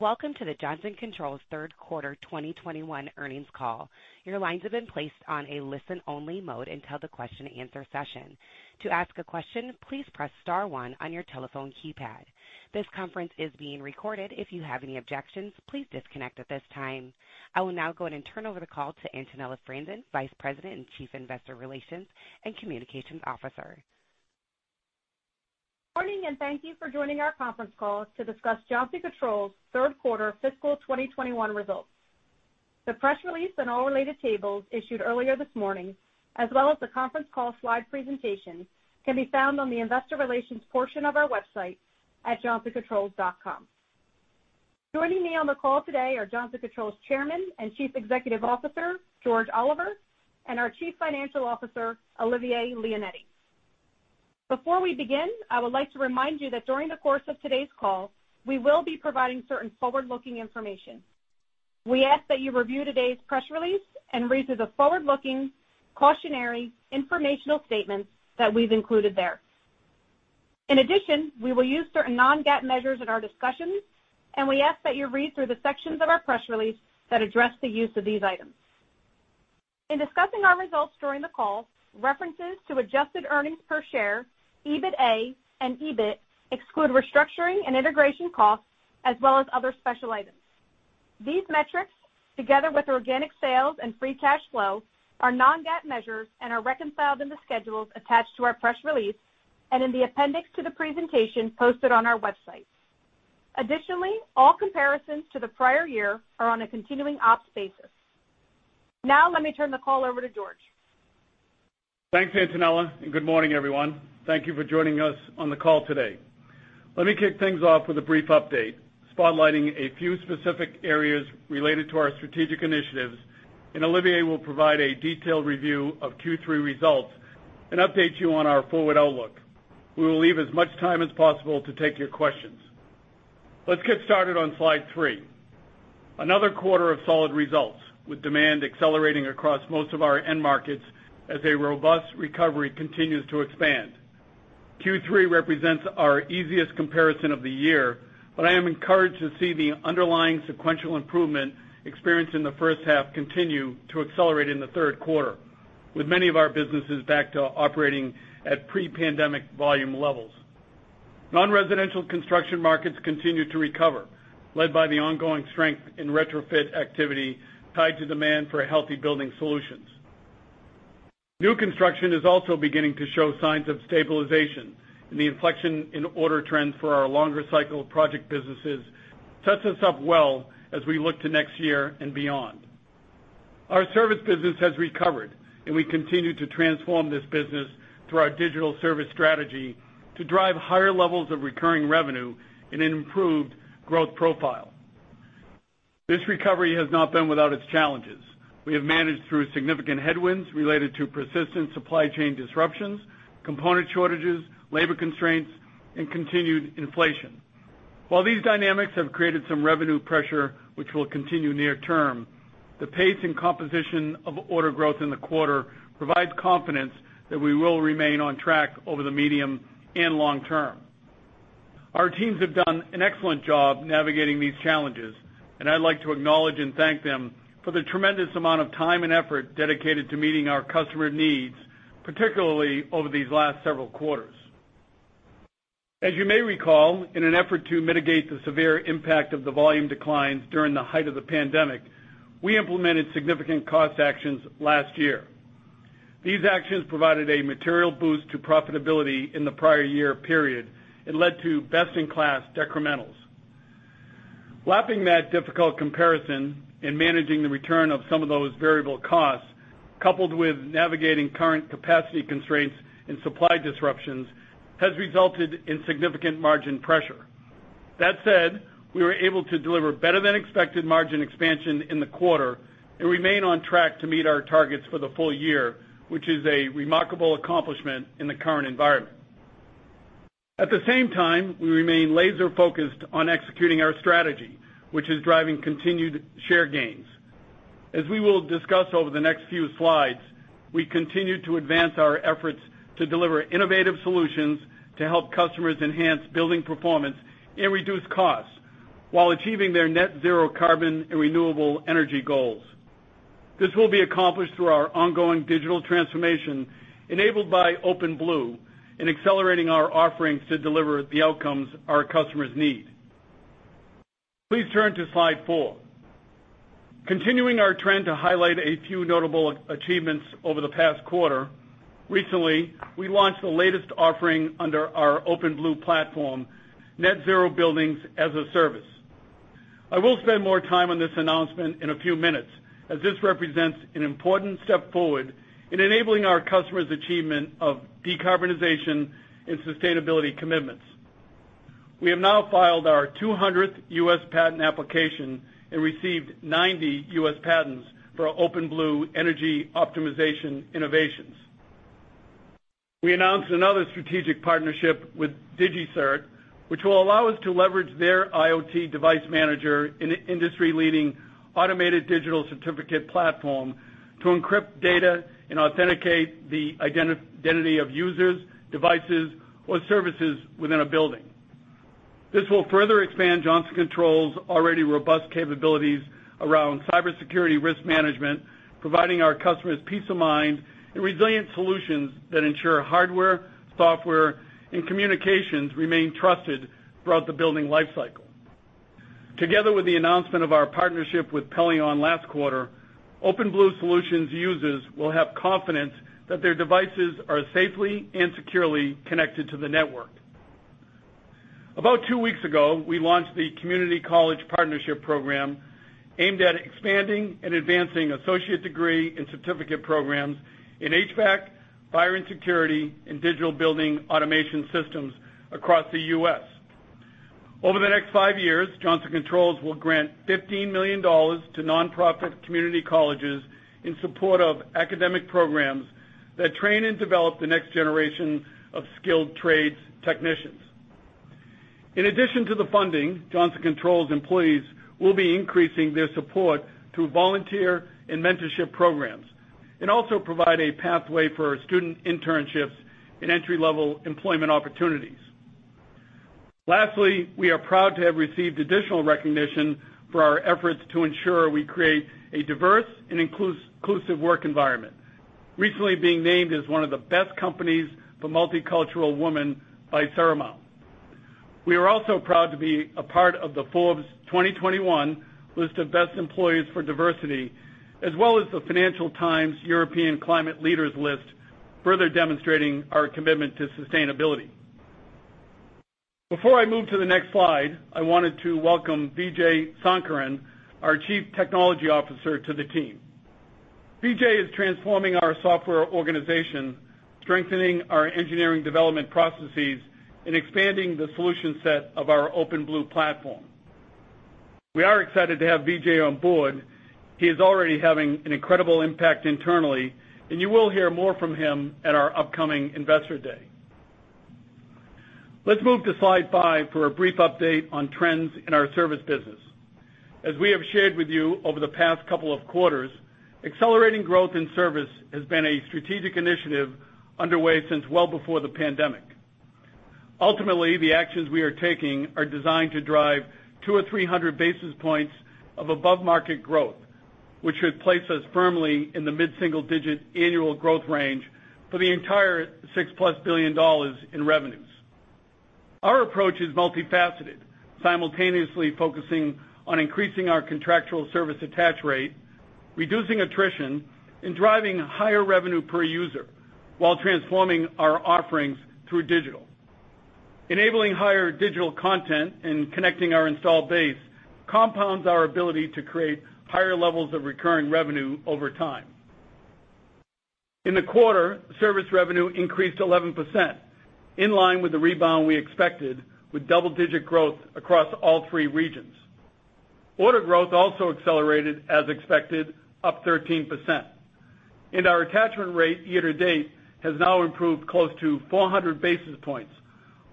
Welcome to the Johnson Controls third quarter 2021 earnings call your line in place on a listen-only mode until the question is assertion.to ask a question please press star one on your telephone keypad. The conference is being recorded. If you have any objections, please disconnect at this time. I will now go ahead and turn over the call to Antonella Franzen, Vice President and Chief Investor Relations and Communications Officer. Morning, and thank you for joining our conference call to discuss Johnson Controls third quarter fiscal 2021 results. The press release and all related tables issued earlier this morning, as well as the conference call slide presentation, can be found on the investor relations portion of our website at johnsoncontrols.com. Joining me on the call today are Johnson Controls Chairman and Chief Executive Officer George Oliver, and our Chief Financial Officer, Olivier Leonetti. Before we begin, I would like to remind you that during the course of today's call, we will be providing certain forward-looking information. We ask that you review today's press release and read through the forward-looking cautionary informational statements that we've included there. In addition, we will use certain non-GAAP measures in our discussions, and we ask that you read through the sections of our press release that address the use of these items. In discussing our results during the call, references to adjusted earnings per share, EBITA, and EBIT exclude restructuring and integration costs, as well as other special items. These metrics, together with organic sales and free cash flow, are non-GAAP measures and are reconciled in the schedules attached to our press release and in the appendix to the presentation posted on our website. Additionally, all comparisons to the prior year are on a continuing ops basis. Now let me turn the call over to George. Thanks, Antonella, and good morning, everyone. Thank you for joining us on the call today. Let me kick things off with a brief update spotlighting a few specific areas related to our strategic initiatives. Olivier will provide a detailed review of Q3 results and update you on our forward outlook. We will leave as much time as possible to take your questions. Let's get started on slide three. Another quarter of solid results, with demand accelerating across most of our end markets as a robust recovery continues to expand. Q3 represents our easiest comparison of the year. I am encouraged to see the underlying sequential improvement experienced in the first half continue to accelerate in the third quarter, with many of our businesses back to operating at pre-pandemic volume levels. Non-residential construction markets continue to recover, led by the ongoing strength in retrofit activity tied to demand for healthy building solutions. New construction is also beginning to show signs of stabilization. The inflection in order trends for our longer cycle project businesses sets us up well as we look to next year and beyond. Our service business has recovered, and we continue to transform this business through our digital service strategy to drive higher levels of recurring revenue in an improved growth profile. This recovery has not been without its challenges. We have managed through significant headwinds related to persistent supply chain disruptions, component shortages, labor constraints, and continued inflation. While these dynamics have created some revenue pressure, which will continue near term, the pace and composition of order growth in the quarter provides confidence that we will remain on track over the medium and long term. Our teams have done an excellent job navigating these challenges, and I'd like to acknowledge and thank them for the tremendous amount of time and effort dedicated to meeting our customer needs, particularly over these last several quarters. As you may recall, in an effort to mitigate the severe impact of the volume declines during the height of the pandemic, we implemented significant cost actions last year. These actions provided a material boost to profitability in the prior year period and led to best-in-class decrementals. Lapping that difficult comparison and managing the return of some of those variable costs, coupled with navigating current capacity constraints and supply disruptions, has resulted in significant margin pressure. That said, we were able to deliver better than expected margin expansion in the quarter and remain on track to meet our targets for the full year, which is a remarkable accomplishment in the current environment. At the same time, we remain laser-focused on executing our strategy, which is driving continued share gains. As we will discuss over the next few slides, we continue to advance our efforts to deliver innovative solutions to help customers enhance building performance and reduce costs while achieving their net zero carbon and renewable energy goals. This will be accomplished through our ongoing digital transformation enabled by OpenBlue and accelerating our offerings to deliver the outcomes our customers need. Please turn to slide four. Continuing our trend to highlight a few notable achievements over the past quarter, recently, we launched the latest offering under our OpenBlue platform, OpenBlue Net Zero Buildings as a Service. I will spend more time on this announcement in a few minutes, as this represents an important step forward in enabling our customers' achievement of Decarbonization and sustainability commitments. We have now filed our 200th U.S. patent application and received 90 U.S. patents for our OpenBlue energy optimization innovations. We announced another strategic partnership with DigiCert, which will allow us to leverage their IoT device manager and industry-leading automated digital certificate platform to encrypt data and authenticate the identity of users, devices, or services within a building. This will further expand Johnson Controls' already robust capabilities around cybersecurity risk management, providing our customers peace of mind and resilient solutions that ensure hardware, software, and communications remain trusted throughout the building lifecycle. Together with the announcement of our partnership with Pelion last quarter, OpenBlue Solutions users will have confidence that their devices are safely and securely connected to the network. About two weeks ago, we launched the Community College Partnership Program aimed at expanding and advancing associate degree and certificate programs in HVAC, fire and security, and digital building automation systems across the U.S. Over the next five years, Johnson Controls will grant $15 million to nonprofit community colleges in support of academic programs that train and develop the next generation of skilled trades technicians. In addition to the funding, Johnson Controls employees will be increasing their support through volunteer and mentorship programs, and also provide a pathway for student internships and entry-level employment opportunities. Lastly, we are proud to have received additional recognition for our efforts to ensure we create a diverse and inclusive work environment, recently being named as 1 of the best companies for multicultural women by Seramount. We are also proud to be a part of the Forbes 2021 list of Best Employers for Diversity, as well as the Financial Times European Climate Leaders list, further demonstrating our commitment to sustainability. Before I move to the next slide, I wanted to welcome Vijay Sankaran, our Chief Technology Officer, to the team. Vijay is transforming our software organization, strengthening our engineering development processes, and expanding the solution set of our OpenBlue platform. We are excited to have Vijay on board. He is already having an incredible impact internally, and you will hear more from him at our upcoming investor day. Let's move to slide five for a brief update on trends in our service business. As we have shared with you over the past couple of quarters, accelerating growth in service has been a strategic initiative underway since well before the pandemic. Ultimately, the actions we are taking are designed to drive 200 or 300 basis points of above-market growth, which should place us firmly in the mid-single digit annual growth range for the entire $6-plus billion in revenues. Our approach is multifaceted, simultaneously focusing on increasing our contractual service attach rate, reducing attrition, and driving higher revenue per user while transforming our offerings through digital. Enabling higher digital content and connecting our installed base compounds our ability to create higher levels of recurring revenue over time. In the quarter, service revenue increased 11%, in line with the rebound we expected with double-digit growth across all three regions. Order growth also accelerated as expected, up 13%, and our attachment rate year to date has now improved close to 400 basis points,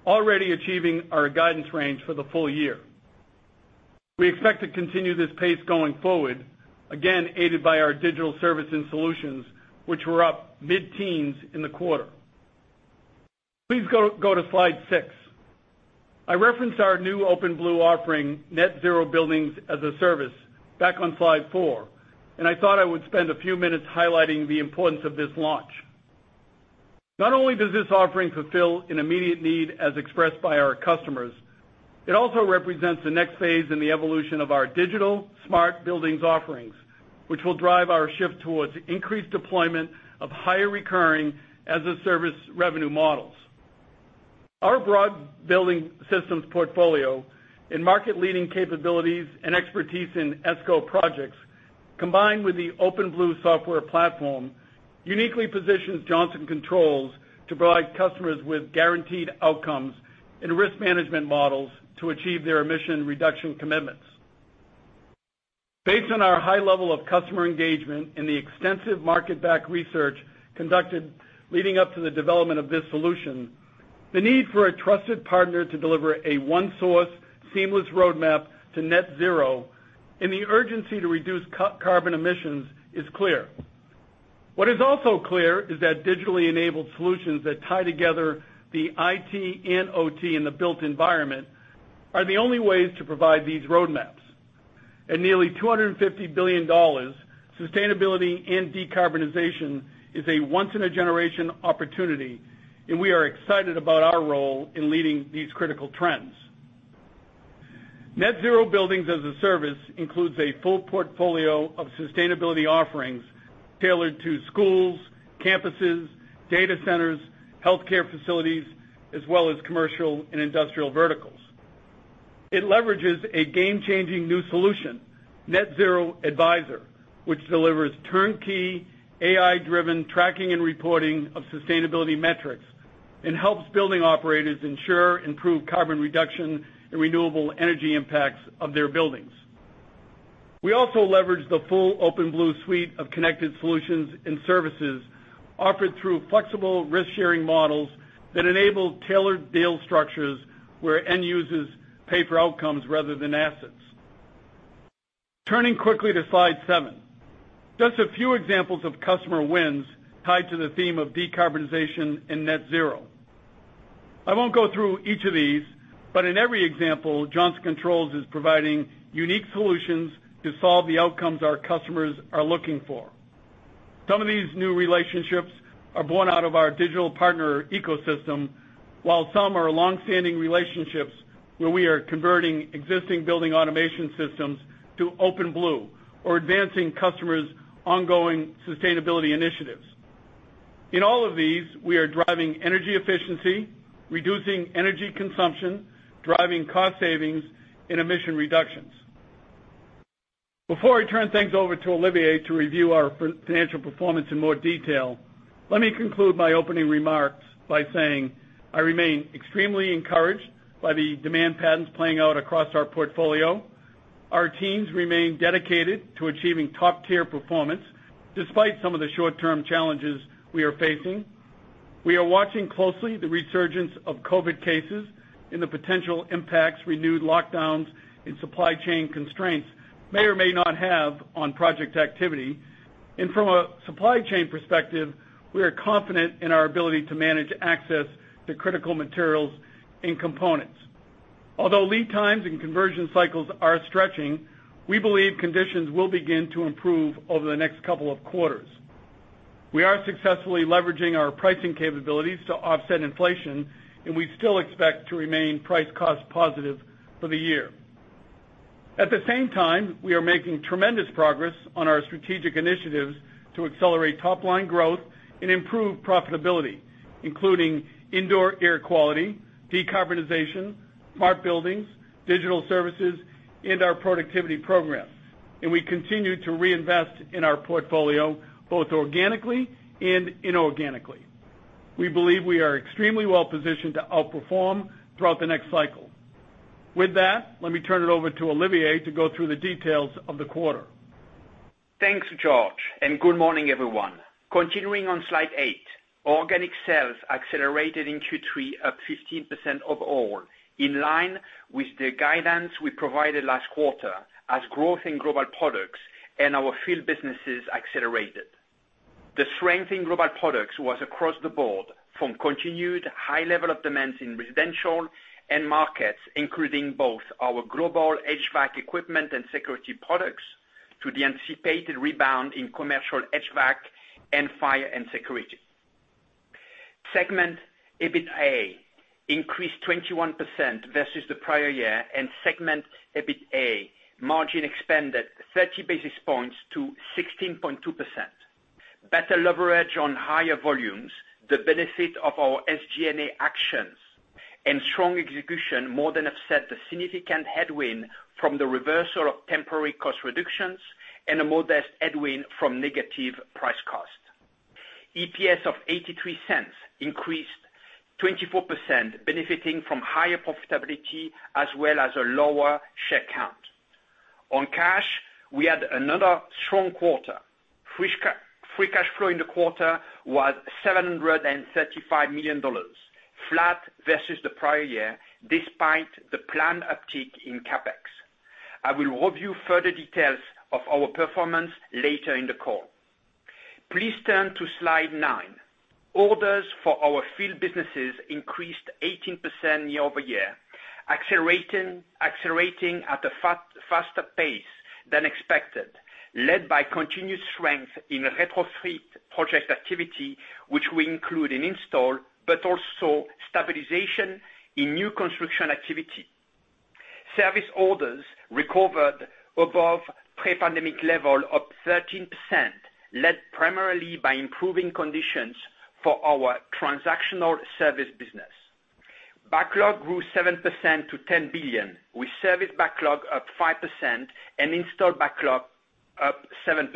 already achieving our guidance range for the full year. We expect to continue this pace going forward, again, aided by our digital service and solutions, which were up mid-teens in the quarter. Please go to slide six. I referenced our new OpenBlue offering, Net Zero Buildings as a Service, back on slide four. I thought I would spend a few minutes highlighting the importance of this launch. Not only does this offering fulfill an immediate need as expressed by our customers, it also represents the next phase in the evolution of our digital smart buildings offerings, which will drive our shift towards increased deployment of higher recurring as-a-service revenue models. Our broad building systems portfolio and market-leading capabilities and expertise in ESCO projects, combined with the OpenBlue software platform, uniquely positions Johnson Controls to provide customers with guaranteed outcomes and risk management models to achieve their emission reduction commitments. Based on our high level of customer engagement and the extensive market-backed research conducted leading up to the development of this solution, the need for a trusted partner to deliver a one source seamless roadmap to net zero and the urgency to reduce carbon emissions is clear. What is also clear is that digitally enabled solutions that tie together the IT and OT in the built environment are the only ways to provide these roadmaps. At nearly $250 billion, sustainability and Decarbonization is a once-in-a-generation opportunity, and we are excited about our role in leading these critical trends. Net Zero Buildings as a Service includes a full portfolio of sustainability offerings tailored to schools, campuses, data centers, healthcare facilities, as well as commercial and industrial verticals. It leverages a game-changing new solution, OpenBlue Net Zero Advisor, which delivers turnkey AI-driven tracking and reporting of sustainability metrics and helps building operators ensure improved carbon reduction and renewable energy impacts of their buildings. We also leverage the full OpenBlue suite of connected solutions and services offered through flexible risk-sharing models that enable tailored deal structures where end users pay for outcomes rather than assets. Turning quickly to slide seven. Just a few examples of customer wins tied to the theme of Decarbonization and net zero. I won't go through each of these, but in every example, Johnson Controls is providing unique solutions to solve the outcomes our customers are looking for. Some of these new relationships are born out of our digital partner ecosystem, while some are longstanding relationships where we are converting existing building automation systems to OpenBlue, or advancing customers' ongoing sustainability initiatives. In all of these, we are driving energy efficiency, reducing energy consumption, driving cost savings and emission reductions. Before I turn things over to Olivier to review our financial performance in more detail, let me conclude my opening remarks by saying I remain extremely encouraged by the demand patterns playing out across our portfolio. Our teams remain dedicated to achieving top-tier performance despite some of the short-term challenges we are facing. We are watching closely the resurgence of COVID cases and the potential impacts, renewed lockdowns, and supply chain constraints may or may not have on project activity. From a supply chain perspective, we are confident in our ability to manage access to critical materials and components. Although lead times and conversion cycles are stretching, we believe conditions will begin to improve over the next couple of quarters. We are successfully leveraging our pricing capabilities to offset inflation, and we still expect to remain price/cost positive for the year. At the same time, we are making tremendous progress on our strategic initiatives to accelerate top-line growth and improve profitability, including indoor air quality, Decarbonization, Smart Buildings, digital Services, and our productivity program. We continue to reinvest in our portfolio both organically and inorganically. We believe we are extremely well-positioned to outperform throughout the next cycle. With that, let me turn it over to Olivier to go through the details of the quarter. Thanks, George, and good morning, everyone. Continuing on slide eight. Organic sales accelerated in Q3, up 15% overall, in line with the guidance we provided last quarter as growth in global products and our field businesses accelerated. The strength in global products was across the board, from continued high level of demands in residential end markets, including both our global HVAC equipment and security products, to the anticipated rebound in commercial HVAC and fire and security. Segment EBITDA increased 21% versus the prior year, and segment EBITDA margin expanded 30 basis points to 16.2%. Better leverage on higher volumes, the benefit of our SG&A actions, and strong execution more than offset the significant headwind from the reversal of temporary cost reductions and a modest headwind from negative price cost. EPS of $0.83 increased 24%, benefiting from higher profitability as well as a lower share count. On cash, we had another strong quarter. Free cash flow in the quarter was $735 million, flat versus the prior year, despite the planned uptick in CapEx. I will review further details of our performance later in the call. Please turn to slide nine. Orders for our field businesses increased 18% year-over-year, accelerating at a faster pace than expected, led by continued strength in retrofit project activity, which we include in install, but also stabilization in new construction activity. Service orders recovered above pre-pandemic level of 13%, led primarily by improving conditions for our transactional service business. Backlog grew 7% to $10 billion, with service backlog up 5% and installed backlog up 7%.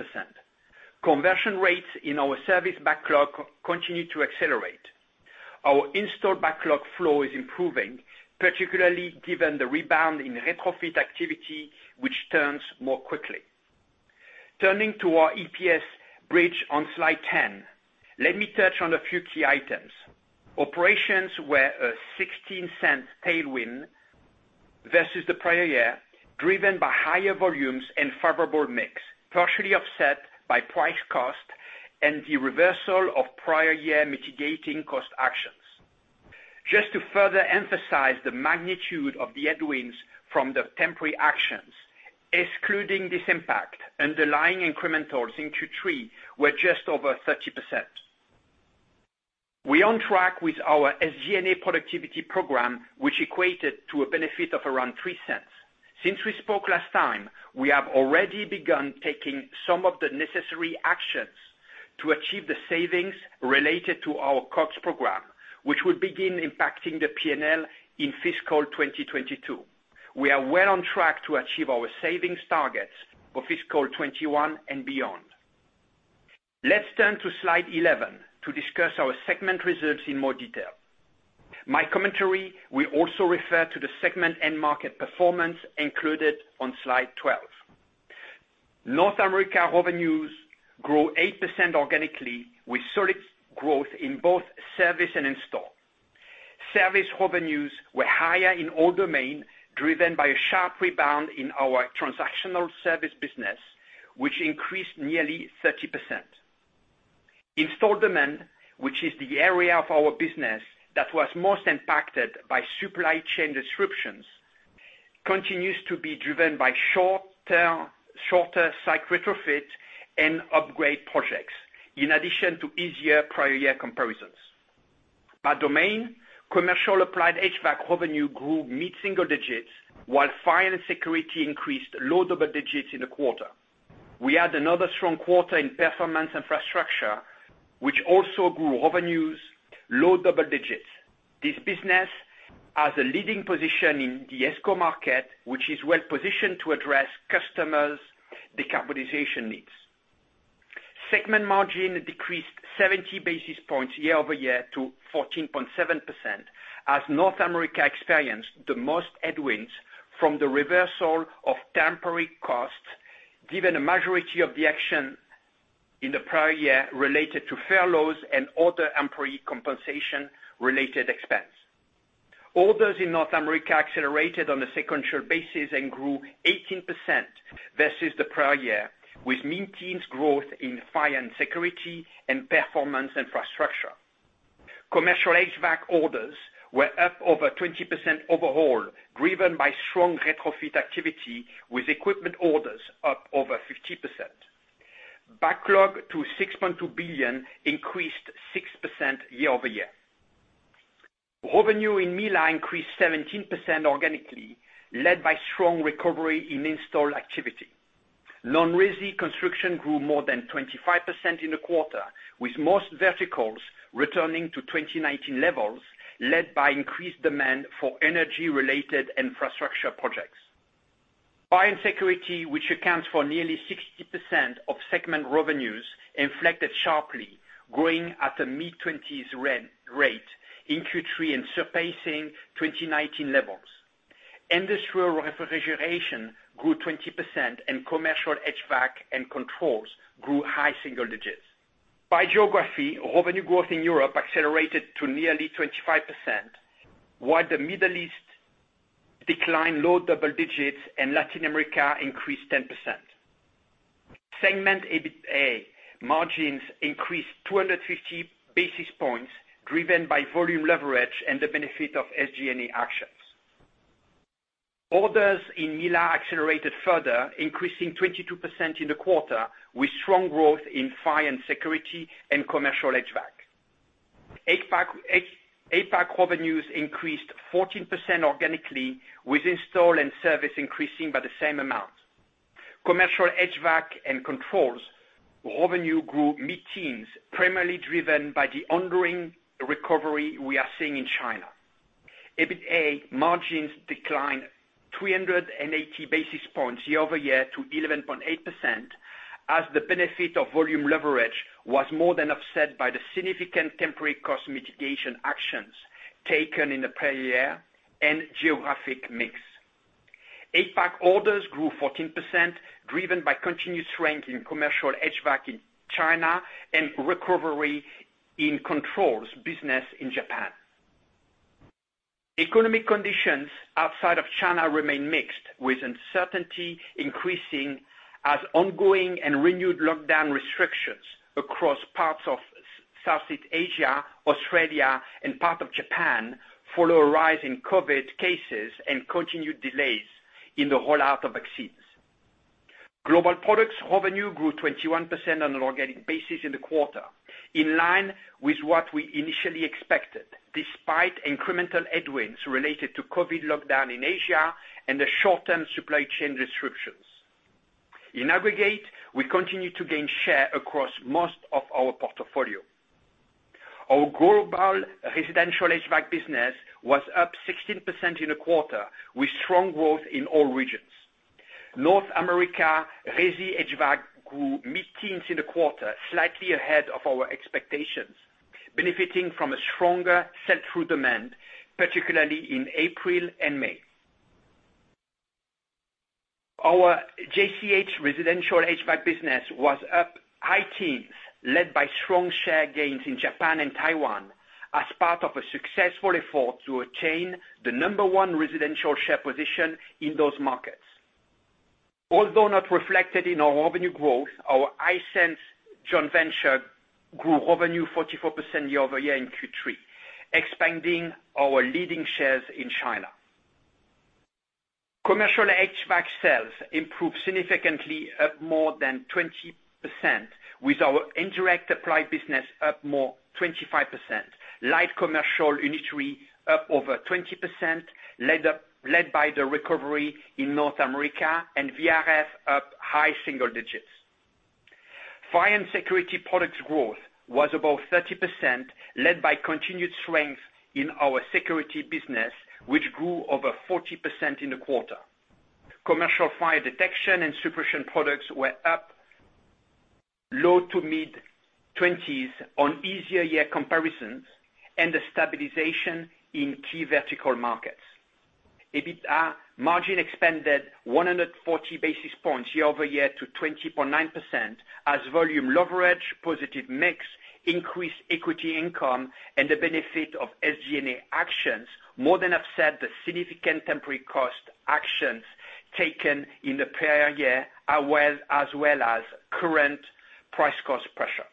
Conversion rates in our service backlog continue to accelerate. Our installed backlog flow is improving, particularly given the rebound in retrofit activity, which turns more quickly. Turning to our EPS bridge on slide 10, let me touch on a few key items. Operations were a $0.16 tailwind versus the prior year, driven by higher volumes and favorable mix, partially offset by price cost and the reversal of prior year mitigating cost actions. Just to further emphasize the magnitude of the headwinds from the temporary actions, excluding this impact, underlying incrementals in Q3 were just over 30%. We're on track with our SG&A productivity program, which equated to a benefit of around $0.03. Since we spoke last time, we have already begun taking some of the necessary actions to achieve the savings related to our COGS program, which will begin impacting the P&L in fiscal 2022. We are well on track to achieve our savings targets for fiscal 2021 and beyond. Let's turn to slide 11 to discuss our segment reserves in more detail. My commentary will also refer to the segment end market performance included on slide 12. North America revenues grew 8% organically with solid growth in both service and install. Service revenues were higher in all domains, driven by a sharp rebound in our transactional service business, which increased nearly 30%. Installed demand, which is the area of our business that was most impacted by supply chain disruptions, continues to be driven by shorter cycle retrofit and upgrade projects, in addition to easier prior year comparisons. By domain, commercial applied HVAC revenue grew mid-single digits, while fire and security increased low double digits in the quarter. We had another strong quarter in Performance Infrastructure, which also grew revenues low double digits. This business has a leading position in the ESCO market, which is well-positioned to address customers' Decarbonization needs. Segment margin decreased 70 basis points year-over-year to 14.7%, as North America experienced the most headwinds from the reversal of temporary costs, given a majority of the action in the prior year related to furloughs and other employee compensation related expense. Orders in North America accelerated on a sequential basis and grew 18% versus the prior year, with mid-teens growth in fire and security and Performance Infrastructure. Commercial HVAC orders were up over 20% overall, driven by strong retrofit activity with equipment orders up over 50%. Backlog to $6.2 billion increased 6% year-over-year. Revenue in EMEALA increased 17% organically, led by strong recovery in install activity. Non-resi construction grew more than 25% in the quarter, with most verticals returning to 2019 levels, led by increased demand for energy-related infrastructure projects. Fire and security, which accounts for nearly 60% of segment revenues, inflected sharply, growing at a mid-20s rate in Q3 and surpassing 2019 levels. Industrial refrigeration grew 20%, and commercial HVAC and controls grew high single digits. By geography, revenue growth in Europe accelerated to nearly 25%, while the Middle East declined low double digits and Latin America increased 10%. Segment EBITA margins increased 250 basis points, driven by volume leverage and the benefit of SG&A actions. Orders in EMEALA accelerated further, increasing 22% in the quarter, with strong growth in fire and security and commercial HVAC. APAC revenues increased 14% organically, with install and service increasing by the same amount. Commercial HVAC and controls revenue grew mid-teens, primarily driven by the ongoing recovery we are seeing in China. EBITA margins declined 380 basis points year-over-year to 11.8%, as the benefit of volume leverage was more than offset by the significant temporary cost mitigation actions taken in the prior year and geographic mix. APAC orders grew 14%, driven by continued strength in commercial HVAC in China and recovery in controls business in Japan. Economic conditions outside of China remain mixed, with uncertainty increasing as ongoing and renewed lockdown restrictions across parts of Southeast Asia, Australia, and part of Japan follow a rise in COVID cases and continued delays in the rollout of vaccines. Global Products revenue grew 21% on an organic basis in the quarter, in line with what we initially expected, despite incremental headwinds related to COVID lockdown in Asia and the short-term supply chain disruptions. In aggregate, we continue to gain share across most of our portfolio. Our global residential HVAC business was up 16% in the quarter, with strong growth in all regions. North America resi HVAC grew mid-teens in the quarter, slightly ahead of our expectations, benefiting from a stronger sell-through demand, particularly in April and May. Our JCH residential HVAC business was up high teens, led by strong share gains in Japan and Taiwan as part of a successful effort to attain the number one residential share position in those markets. Although not reflected in our revenue growth, our Hisense joint venture grew revenue 44% year-over-year in Q3, expanding our leading shares in China. Commercial HVAC sales improved significantly up more than 20%, with our indirect applied business up more 25%. Light commercial unitary up over 20%, led by the recovery in North America, and VRF up high single digits. Fire and security products growth was above 30%, led by continued strength in our security business, which grew over 40% in the quarter. Commercial fire detection and suppression products were up low to mid-20s on easier year comparisons and a stabilization in key vertical markets. EBITA margin expanded 140 basis points year-over-year to 20.9% as volume leverage, positive mix, increased equity income, and the benefit of SG&A actions more than offset the significant temporary cost actions taken in the prior year, as well as current price cost pressure.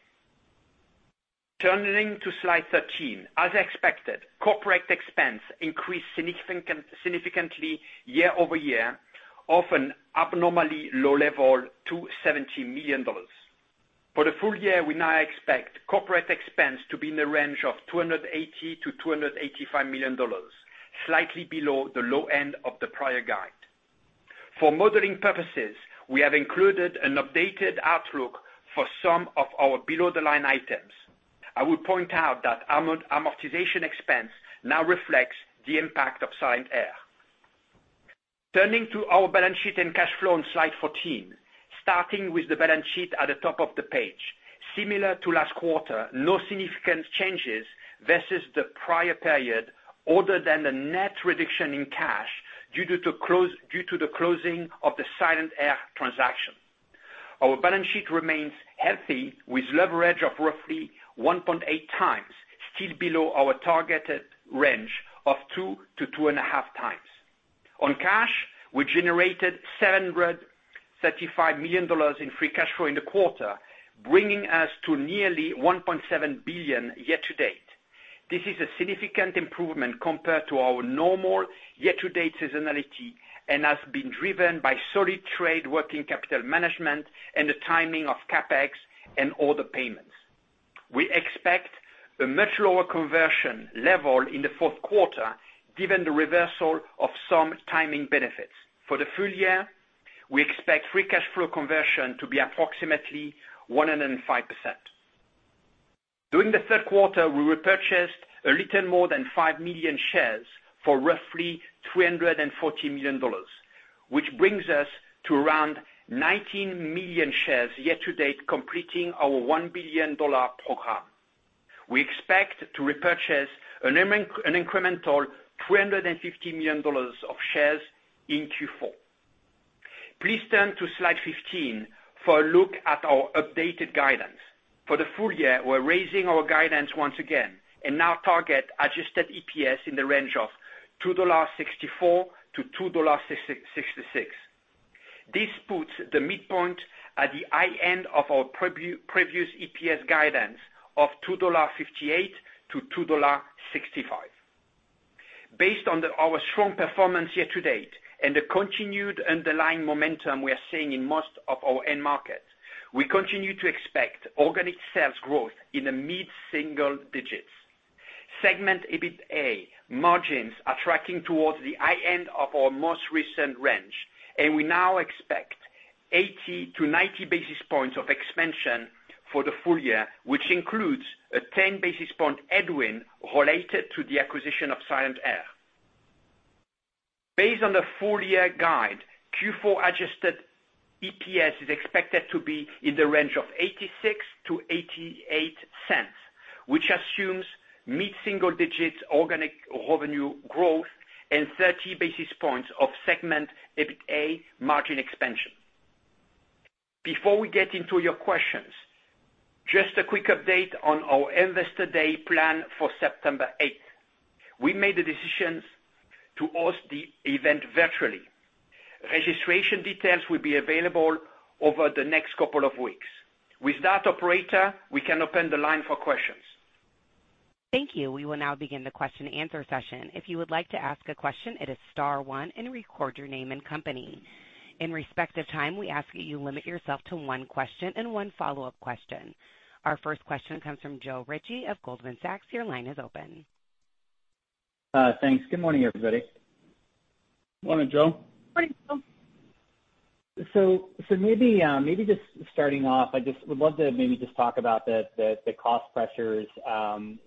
Turning to slide 13. As expected, corporate expense increased significantly year-over-year, from an abnormally low level to $70 million. For the full year, we now expect corporate expense to be in the range of $280 million-$285 million, slightly below the low end of the prior guide. For modeling purposes, we have included an updated outlook for some of our below-the-line items. I would point out that amortization expense now reflects the impact of Silent-Aire. Turning to our balance sheet and cash flow on slide 14, starting with the balance sheet at the top of the page. Similar to last quarter, no significant changes versus the prior period other than the net reduction in cash due to the closing of the Silent-Aire transaction. Our balance sheet remains healthy with leverage of roughly 1.8 x, still below our targeted range of 2 to 2.5 x. On cash, we generated $735 million in free cash flow in the quarter, bringing us to nearly $1.7 billion year to date. This is a significant improvement compared to our normal year-to-date seasonality and has been driven by solid trade working capital management and the timing of CapEx and other payments. We expect a much lower conversion level in the fourth quarter given the reversal of some timing benefits. For the full year, we expect free cash flow conversion to be approximately 105%. During the third quarter, we repurchased a little more than 5 million shares for roughly $240 million, which brings us to around 19 million shares year to date, completing our $1 billion program. We expect to repurchase an incremental $250 million of shares in Q4. Please turn to slide 15 for a look at our updated guidance. For the full year, we're raising our guidance once again and now target adjusted EPS in the range of $2.64-$2.66. This puts the midpoint at the high end of our previous EPS guidance of $2.58-$2.65. Based on our strong performance year-to-date and the continued underlying momentum we are seeing in most of our end markets, we continue to expect organic sales growth in the mid-single-digits. Segment EBITA margins are tracking towards the high end of our most recent range, and we now expect 80-90 basis points of expansion for the full year, which includes a 10 basis point headwind related to the acquisition of Silent-Aire. Based on the full year guide, Q4 adjusted EPS is expected to be in the range of $0.86-$0.88, which assumes mid-single-digits organic revenue growth and 30 basis points of segment EBITA margin expansion. Before we get into your questions, just a quick update on our investor day plan for September 8th. We made the decision to host the event virtually. Registration details will be available over the next couple of weeks. With that, operator, we can open the line for questions. Thank you. We will now begin the question and answer session. If you would like to ask a question, it is star one and record your name and company. In respect of time, we ask that you limit yourself to one question and one follow-up question. Our first question comes from Joe Ritchie of Goldman Sachs. Your line is open. Thanks. Good morning, everybody. Morning, Joe. Maybe just starting off, I just would love to maybe just talk about the cost pressures, and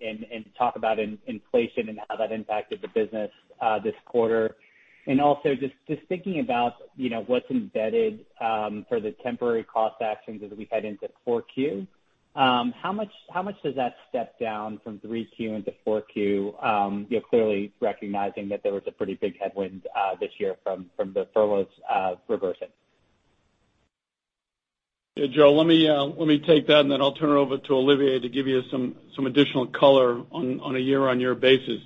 talk about inflation and how that impacted the business this quarter. Also just thinking about what's embedded for the temporary cost actions as we head into Q4. How much does that step down from Q3 into Q4? You're clearly recognizing that there was a pretty big headwind this year from the furloughs reversing. Yeah, Joe, let me take that, and then I'll turn it over to Olivier to give you some additional color on a year-on-year basis.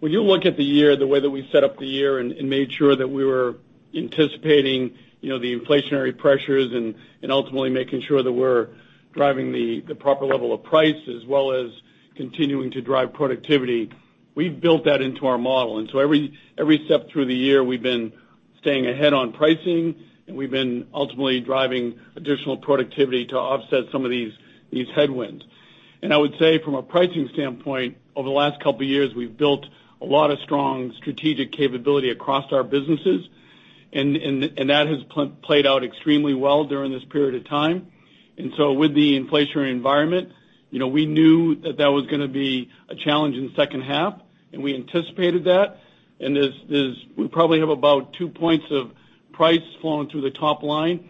When you look at the year, the way that we set up the year and made sure that we were anticipating the inflationary pressures and ultimately making sure that we're driving the proper level of price as well as continuing to drive productivity, we've built that into our model. Every step through the year, we've been staying ahead on pricing and we've been ultimately driving additional productivity to offset some of these headwinds. I would say from a pricing standpoint, over the last couple of years, we've built a lot of strong strategic capability across our businesses, and that has played out extremely well during this period of time. With the inflationary environment, we knew that that was going to be a challenge in the second half, and we anticipated that. We probably have about two points of price flowing through the top line.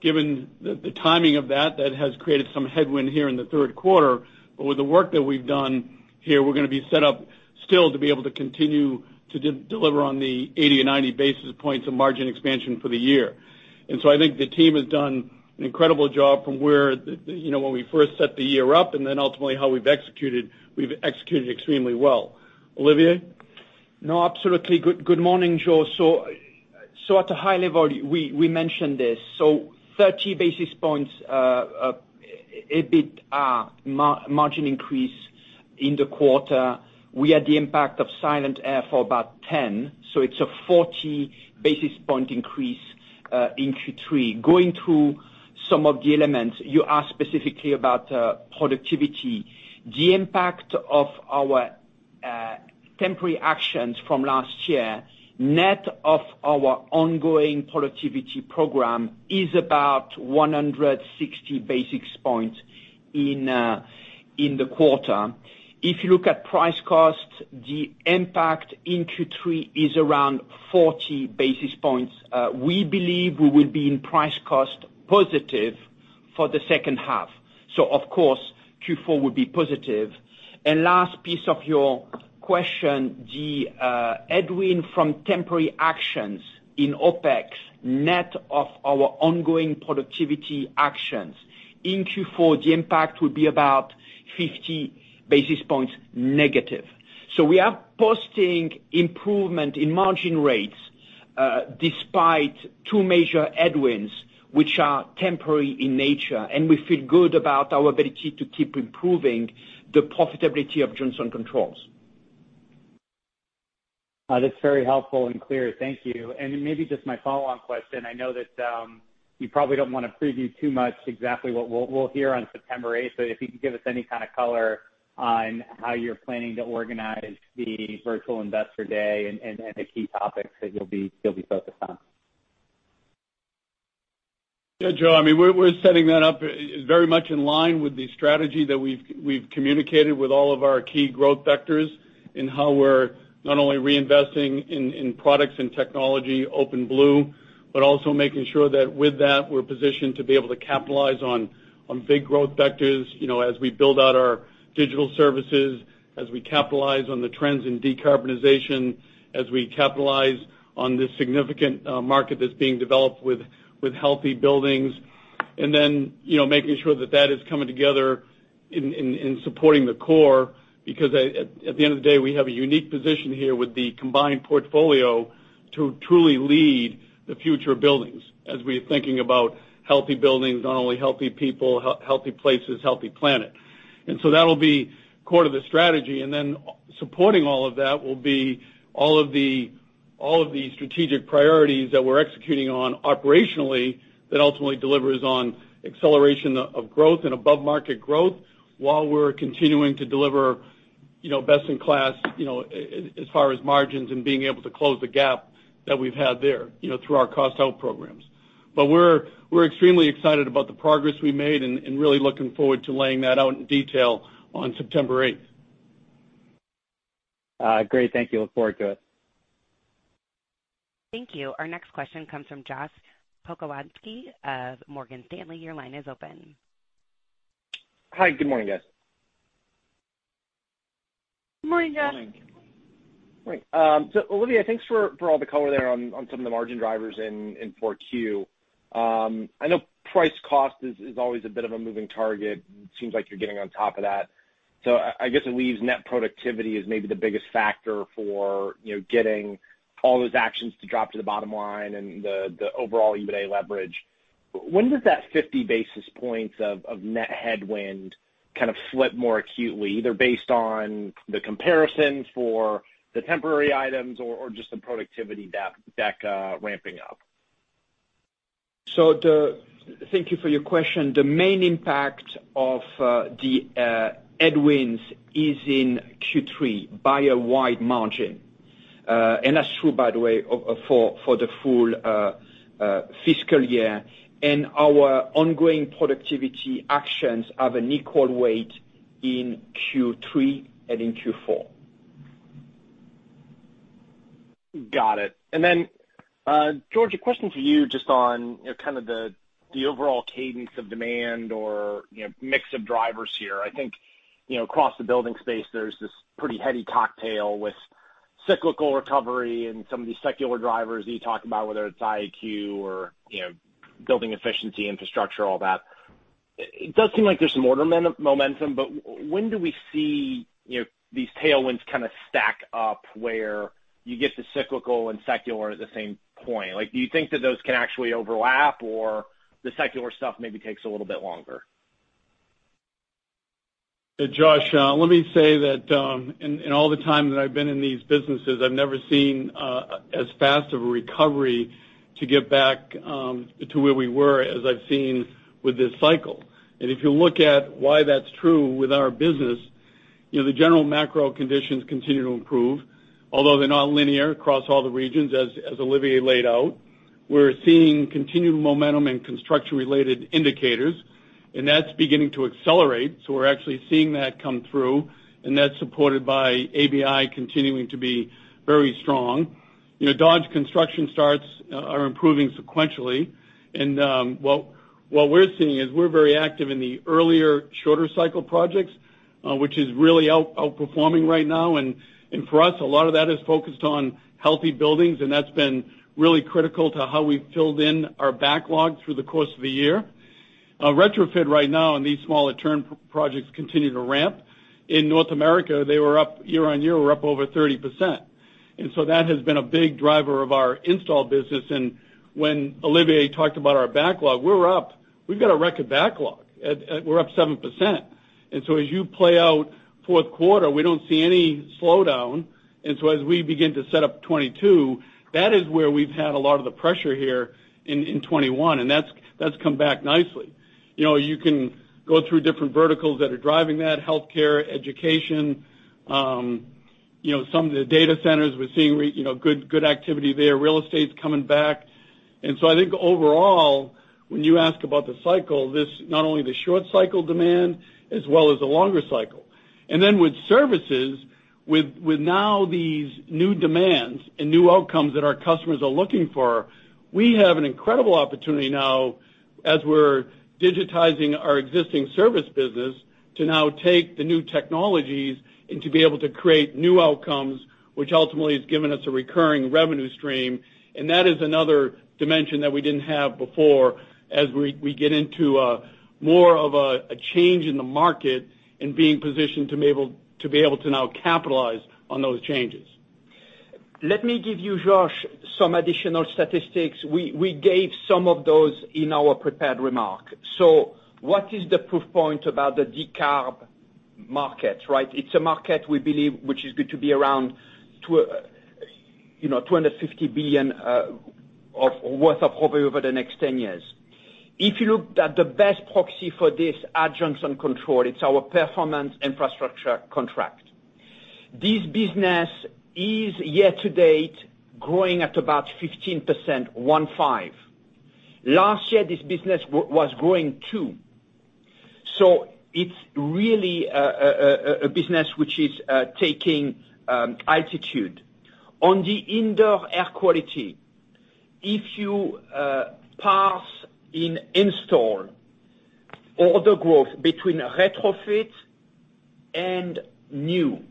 Given the timing of that has created some headwind here in the third quarter. With the work that we've done here, we're going to be set up still to be able to continue to deliver on the 80-90 basis points of margin expansion for the year. I think the team has done an incredible job from when we first set the year up, and then ultimately how we've executed. We've executed extremely well. Olivier? No, absolutely. Good morning, Joe. At a high level, we mentioned this. 30 basis points EBITDA margin increase in the quarter. We had the impact of Silent-Aire for about 10, it's a 40 basis point increase in Q3. Going through some of the elements, you asked specifically about productivity. The impact of our temporary actions from last year, net of our ongoing productivity program, is about 160 basis points in the quarter. If you look at price cost, the impact in Q3 is around 40 basis points. We believe we will be in price cost positive for the second half. Of course, Q4 will be positive. Last piece of your question, the headwind from temporary actions in OpEx, net of our ongoing productivity actions. In Q4, the impact would be about 50 basis points negative. We are posting improvement in margin rates despite two major headwinds, which are temporary in nature, and we feel good about our ability to keep improving the profitability of Johnson Controls. That's very helpful and clear. Thank you. Then maybe just my follow-on question, I know that you probably don't want to preview too much exactly what we'll hear on September 8th, but if you could give us any kind of color on how you're planning to organize the virtual Investor Day and the key topics that you'll be focused on. Joe. We're setting that up very much in line with the strategy that we've communicated with all of our key growth vectors in how we're not only reinvesting in products and technology, OpenBlue, but also making sure that with that, we're positioned to be able to capitalize on big growth vectors as we build out our digital services, as we capitalize on the trends in Decarbonization, as we capitalize on this significant market that's being developed with healthy buildings. And then making sure that that is coming together in supporting the core. Because at the end of the day, we have a unique position here with the combined portfolio to truly lead the future of buildings as we're thinking about healthy buildings, not only healthy people, healthy places, healthy planet. And so that'll be core to the strategy. Supporting all of that will be all of the strategic priorities that we're executing on operationally that ultimately delivers on acceleration of growth and above-market growth while we're continuing to deliver best in class as far as margins and being able to close the gap that we've had there through our cost-out programs. We're extremely excited about the progress we made and really looking forward to laying that out in detail on September 8th. Great. Thank you. Look forward to it. Thank you. Our next question comes from Josh Pokrzywinski of Morgan Stanley. Your line is open. Hi. Good morning, guys. Morning, Josh. Morning. Olivier, thanks for all the color there on some of the margin drivers in 4Q. I know price cost is always a bit of a moving target. It seems like you're getting on top of that. I guess it leaves net productivity as maybe the biggest factor for getting all those actions to drop to the bottom line and the overall EBITDA leverage. When does that 50 basis points of net headwind kind of flip more acutely, either based on the comparisons for the temporary items or just the productivity deck ramping up? Thank you for your question. The main impact of the headwinds is in Q3 by a wide margin. That's true, by the way, for the full fiscal year. Our ongoing productivity actions have an equal weight in Q3 and in Q4. Got it. George, a question for you just on kind of the overall cadence of demand or mix of drivers here. I think across the building space, there's this pretty heady cocktail with cyclical recovery and some of these secular drivers that you talk about, whether it's IAQ or building efficiency, infrastructure, all that. It does seem like there's some order momentum. When do we see these tailwinds kind of stack up where you get the cyclical and secular at the same point? Do you think that those can actually overlap, or the secular stuff maybe takes a little bit longer? Josh, let me say that in all the time that I've been in these businesses, I've never seen as fast of a recovery to get back to where we were as I've seen with this cycle. If you look at why that's true with our business, the general macro conditions continue to improve, although they're not linear across all the regions as Olivier laid out. We're seeing continued momentum in construction-related indicators. That's beginning to accelerate. We're actually seeing that come through, and that's supported by ABI continuing to be very strong. Dodge Construction starts are improving sequentially. What we're seeing is we're very active in the earlier, shorter cycle projects, which is really outperforming right now. For us, a lot of that is focused on healthy buildings, and that's been really critical to how we've filled in our backlog through the course of the year. Retrofit right now and these smaller term projects continue to ramp. In North America, they were up year-on-year, were up over 30%. That has been a big driver of our install business. When Olivier talked about our backlog, we're up. We've got a record backlog. We're up 7%. As you play out fourth quarter, we don't see any slowdown. As we begin to set up 2022, that is where we've had a lot of the pressure here in 2021. That's come back nicely. You can go through different verticals that are driving that, healthcare, education, some of the data centers we're seeing good activity there. Real estate's coming back. I think overall, when you ask about the cycle, this not only the short cycle demand as well as the longer cycle. With services, with now these new demands and new outcomes that our customers are looking for, we have an incredible opportunity now as we're digitizing our existing service business to now take the new technologies and to be able to create new outcomes, which ultimately has given us a recurring revenue stream. That is another dimension that we didn't have before as we get into more of a change in the market and being positioned to be able to now capitalize on those changes. Let me give you, Josh, some additional statistics. We gave some of those in our prepared remarks. What is the proof point about the decarb market, right? It's a market we believe, which is going to be around $250 billion of worth of over the next 10 years. If you looked at the best proxy for this, Johnson Controls, it's our Performance Infrastructure contract. This business is year-to-date growing at about 15%. Last year, this business was growing 2%. It's really a business which is taking altitude. On the indoor air quality, if you pass in install order growth between retrofit and new.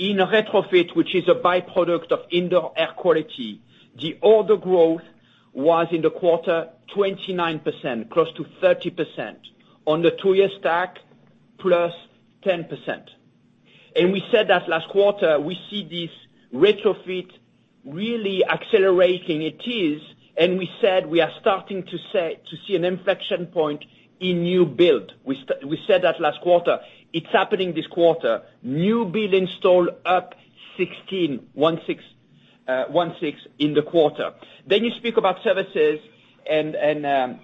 In retrofit, which is a byproduct of indoor air quality, the order growth was in the quarter 29%, close to 30%. On the two-year stack, +10%. We said that last quarter, we see this retrofit really accelerating. It is. We said we are starting to see an inflection point in new build. We said that last quarter. It is happening this quarter. New build install up 16 in the quarter. You speak about services, and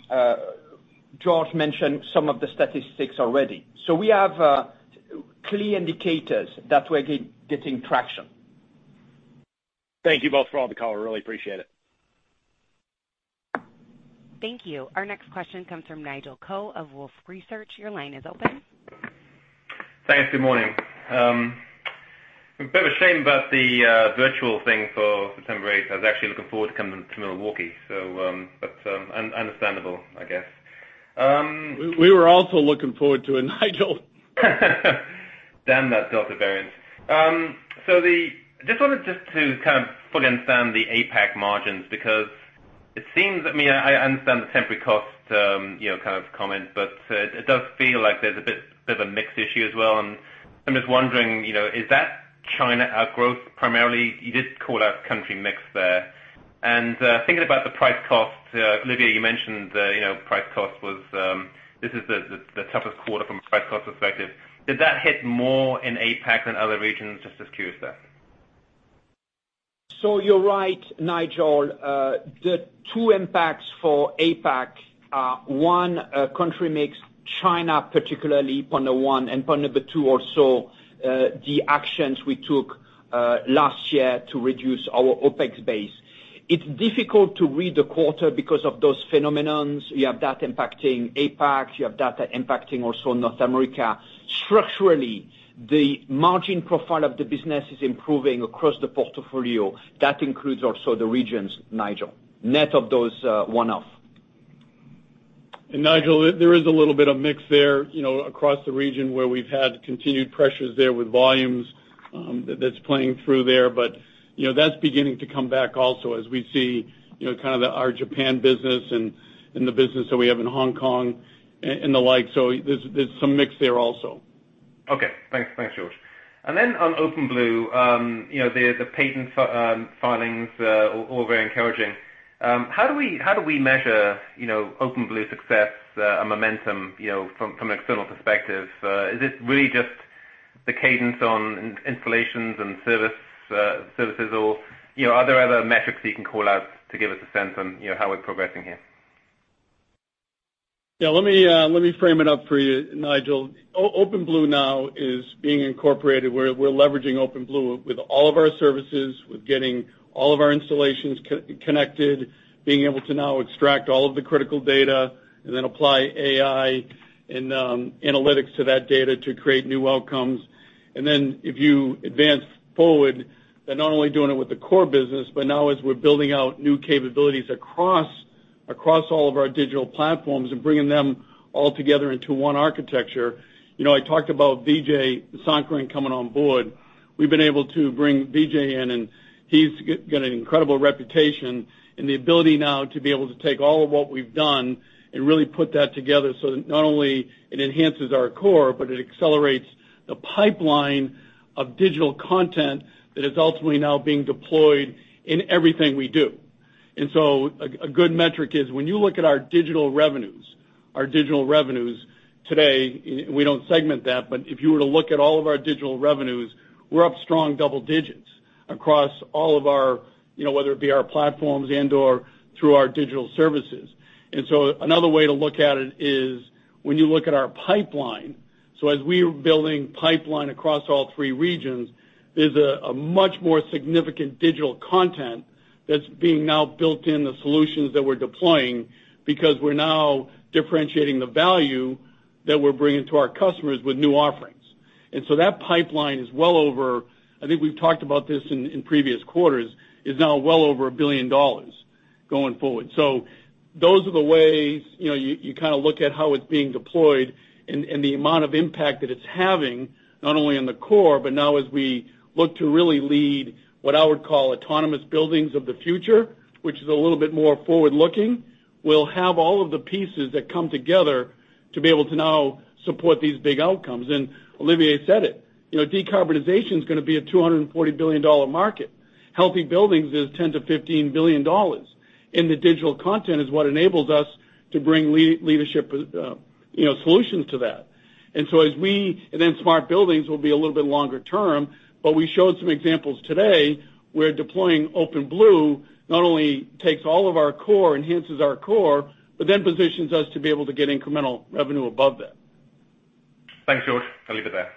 George mentioned some of the statistics already. We have clear indicators that we are getting traction. Thank you both for all the color. Really appreciate it. Thank you. Our next question comes from Nigel Coe of Wolfe Research. Your line is open. Thanks. Good morning. Bit of a shame about the virtual thing for September 8th. I was actually looking forward to coming to Milwaukee. Understandable, I guess. We were also looking forward to it, Nigel. Damn that Delta variant. Just wanted to kind of fully understand the APAC margins, because it seems, I mean, I understand the temporary cost kind of comment, but it does feel like there's a bit of a mix issue as well, and I'm just wondering is that China outgrowth primarily? You did call out country mix there. Thinking about the price cost, Olivier, you mentioned price cost was. This is the toughest quarter from a price cost perspective. Did that hit more in APAC than other regions? Just was curious there. You're right, Nigel. The two impacts for APAC are one, country mix, China particularly, point of one. Point number two or so, the actions we took last year to reduce our OpEx base. It's difficult to read the quarter because of those phenomenons. You have that impacting APAC, you have data impacting also North America. Structurally, the margin profile of the business is improving across the portfolio. That includes also the regions, Nigel. Net of those one-off. Nigel, there is a little bit of mix there, across the region where we've had continued pressures there with volumes that's playing through there. That's beginning to come back also as we see kind of our Japan business and the business that we have in Hong Kong and the like. There's some mix there also. Okay. Thanks, George. On OpenBlue, the patent filings are all very encouraging. How do we measure OpenBlue success, momentum from an external perspective? Is it really just the cadence on installations and services, or are there other metrics that you can call out to give us a sense on how we're progressing here? Yeah, let me frame it up for you, Nigel. OpenBlue now is being incorporated, we're leveraging OpenBlue with all of our services, with getting all of our installations connected, being able to now extract all of the critical data, and then apply AI and analytics to that data to create new outcomes. If you advance forward, they're not only doing it with the core business, but now as we're building out new capabilities across all of our digital platforms and bringing them all together into one architecture. I talked about Vijay Sankaran coming on board. We've been able to bring Vijay in, and he's got an incredible reputation and the ability now to be able to take all of what we've done and really put that together so that not only it enhances our core, but it accelerates the pipeline of digital content that is ultimately now being deployed in everything we do. A good metric is when you look at our digital revenues today, we don't segment that, but if you were to look at all of our digital revenues, we're up strong double digits across all of our, whether it be our platforms and/or through our digital services. Another way to look at it is when you look at our pipeline. As we're building pipeline across all three regions, there's a much more significant digital content that's being now built in the solutions that we're deploying because we're now differentiating the value that we're bringing to our customers with new offerings. That pipeline is well over, I think we've talked about this in previous quarters, is now well over $1 billion going forward. Those are the ways you look at how it's being deployed and the amount of impact that it's having, not only on the core, but now as we look to really lead what I would call autonomous buildings of the future, which is a little bit more forward-looking. We'll have all of the pieces that come together to be able to now support these big outcomes. Olivier said it, Decarbonization's going to be a $240 billion market. Healthy buildings is $10 billion-$15 billion. The digital content is what enables us to bring leadership solutions to that. Smart buildings will be a little bit longer term. We showed some examples today where deploying OpenBlue not only takes all of our core, enhances our core, positions us to be able to get incremental revenue above that. Thanks, George. I'll leave it there.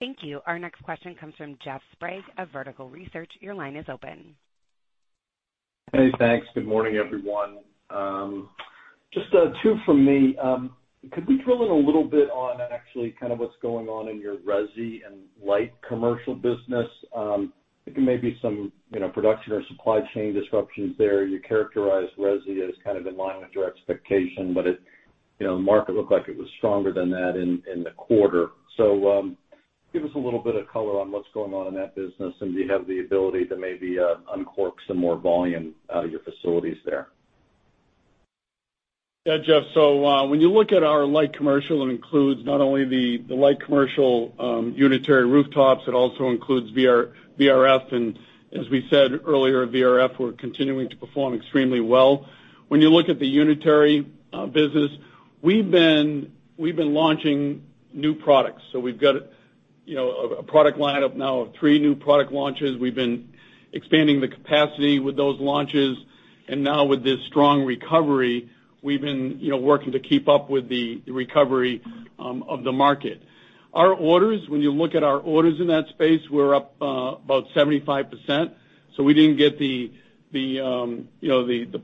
Thank you. Our next question comes from Jeffrey Sprague of Vertical Research. Your line is open. Hey, thanks. Good morning, everyone. Just two from me. Could we drill in a little bit on actually what's going on in your resi and light commercial business? I think there may be some production or supply chain disruptions there. You characterized resi as kind of in line with your expectation. The market looked like it was stronger than that in the quarter. Give us a little bit of color on what's going on in that business, and do you have the ability to maybe uncork some more volume out of your facilities there? Yeah, Jeffrey. When you look at our light commercial, it includes not only the light commercial unitary rooftops, it also includes VRF. As we said earlier, VRF, we're continuing to perform extremely well. When you look at the unitary business, we've been launching new products. We've got a product line-up now of three new product launches. We've been expanding the capacity with those launches. Now with this strong recovery, we've been working to keep up with the recovery of the market. Our orders, when you look at our orders in that space, we're up about 75%. We didn't get the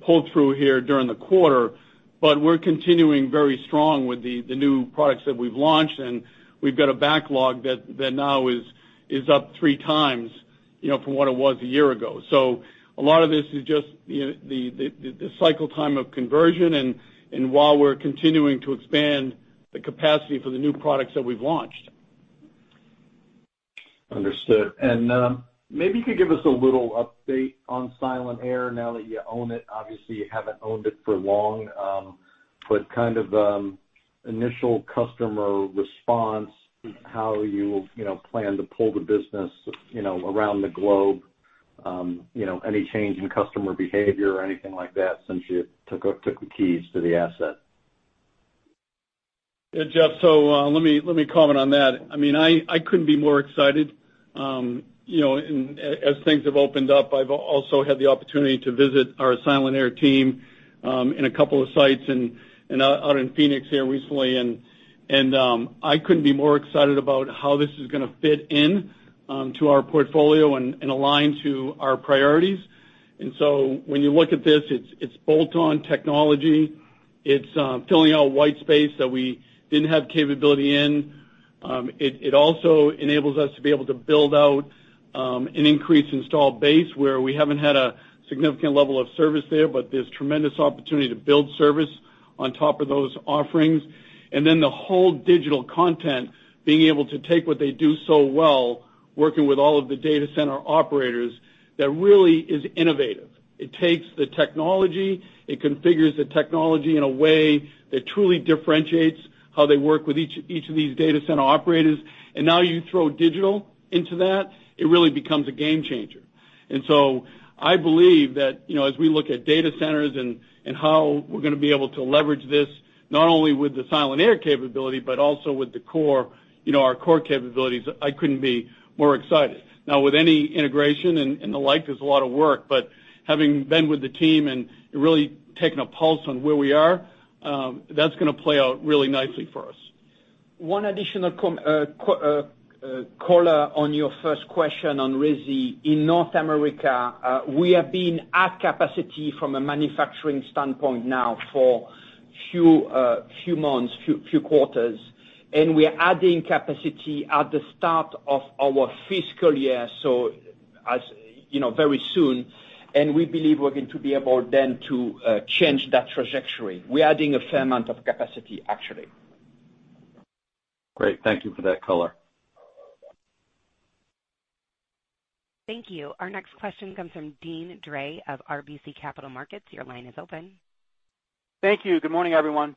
pull-through here during the quarter, but we're continuing very strong with the new products that we've launched, and we've got a backlog that now is up three times from what it was a year ago. A lot of this is just the cycle time of conversion and while we're continuing to expand the capacity for the new products that we've launched. Understood. Maybe you could give us a little update on Silent-Aire now that you own it. Obviously, you haven't owned it for long. Kind of initial customer response, how you plan to pull the business around the globe. Any change in customer behavior or anything like that since you took the keys to the asset? Yeah, Jeff, let me comment on that. I couldn't be more excited. As things have opened up, I've also had the opportunity to visit our Silent-Aire team in a couple of sites out in Phoenix here recently. I couldn't be more excited about how this is going to fit into our portfolio and align to our priorities. When you look at this, it's bolt-on technology. It's filling out a white space that we didn't have capability in. It also enables us to be able to build out an increased install base where we haven't had a significant level of service there, but there's tremendous opportunity to build service on top of those offerings. The whole digital content, being able to take what they do so well, working with all of the data center operators, that really is innovative. It takes the technology, it configures the technology in a way that truly differentiates how they work with each of these data center operators. Now you throw digital into that, it really becomes a game changer. I believe that as we look at data centers and how we're going to be able to leverage this, not only with the Silent-Aire capability, but also with our core capabilities, I couldn't be more excited. Now, with any integration and the like, there's a lot of work. Having been with the team and really taking a pulse on where we are, that's going to play out really nicely for us. One additional color on your first question on resi. In North America, we have been at capacity from a manufacturing standpoint now for few months, few quarters, and we are adding capacity at the start of our fiscal year, so very soon. We believe we're going to be able then to change that trajectory. We're adding a fair amount of capacity, actually. Great. Thank you for that color. Thank you. Our next question comes from Deane Dray of RBC Capital Markets. Your line is open. Thank you. Good morning, everyone.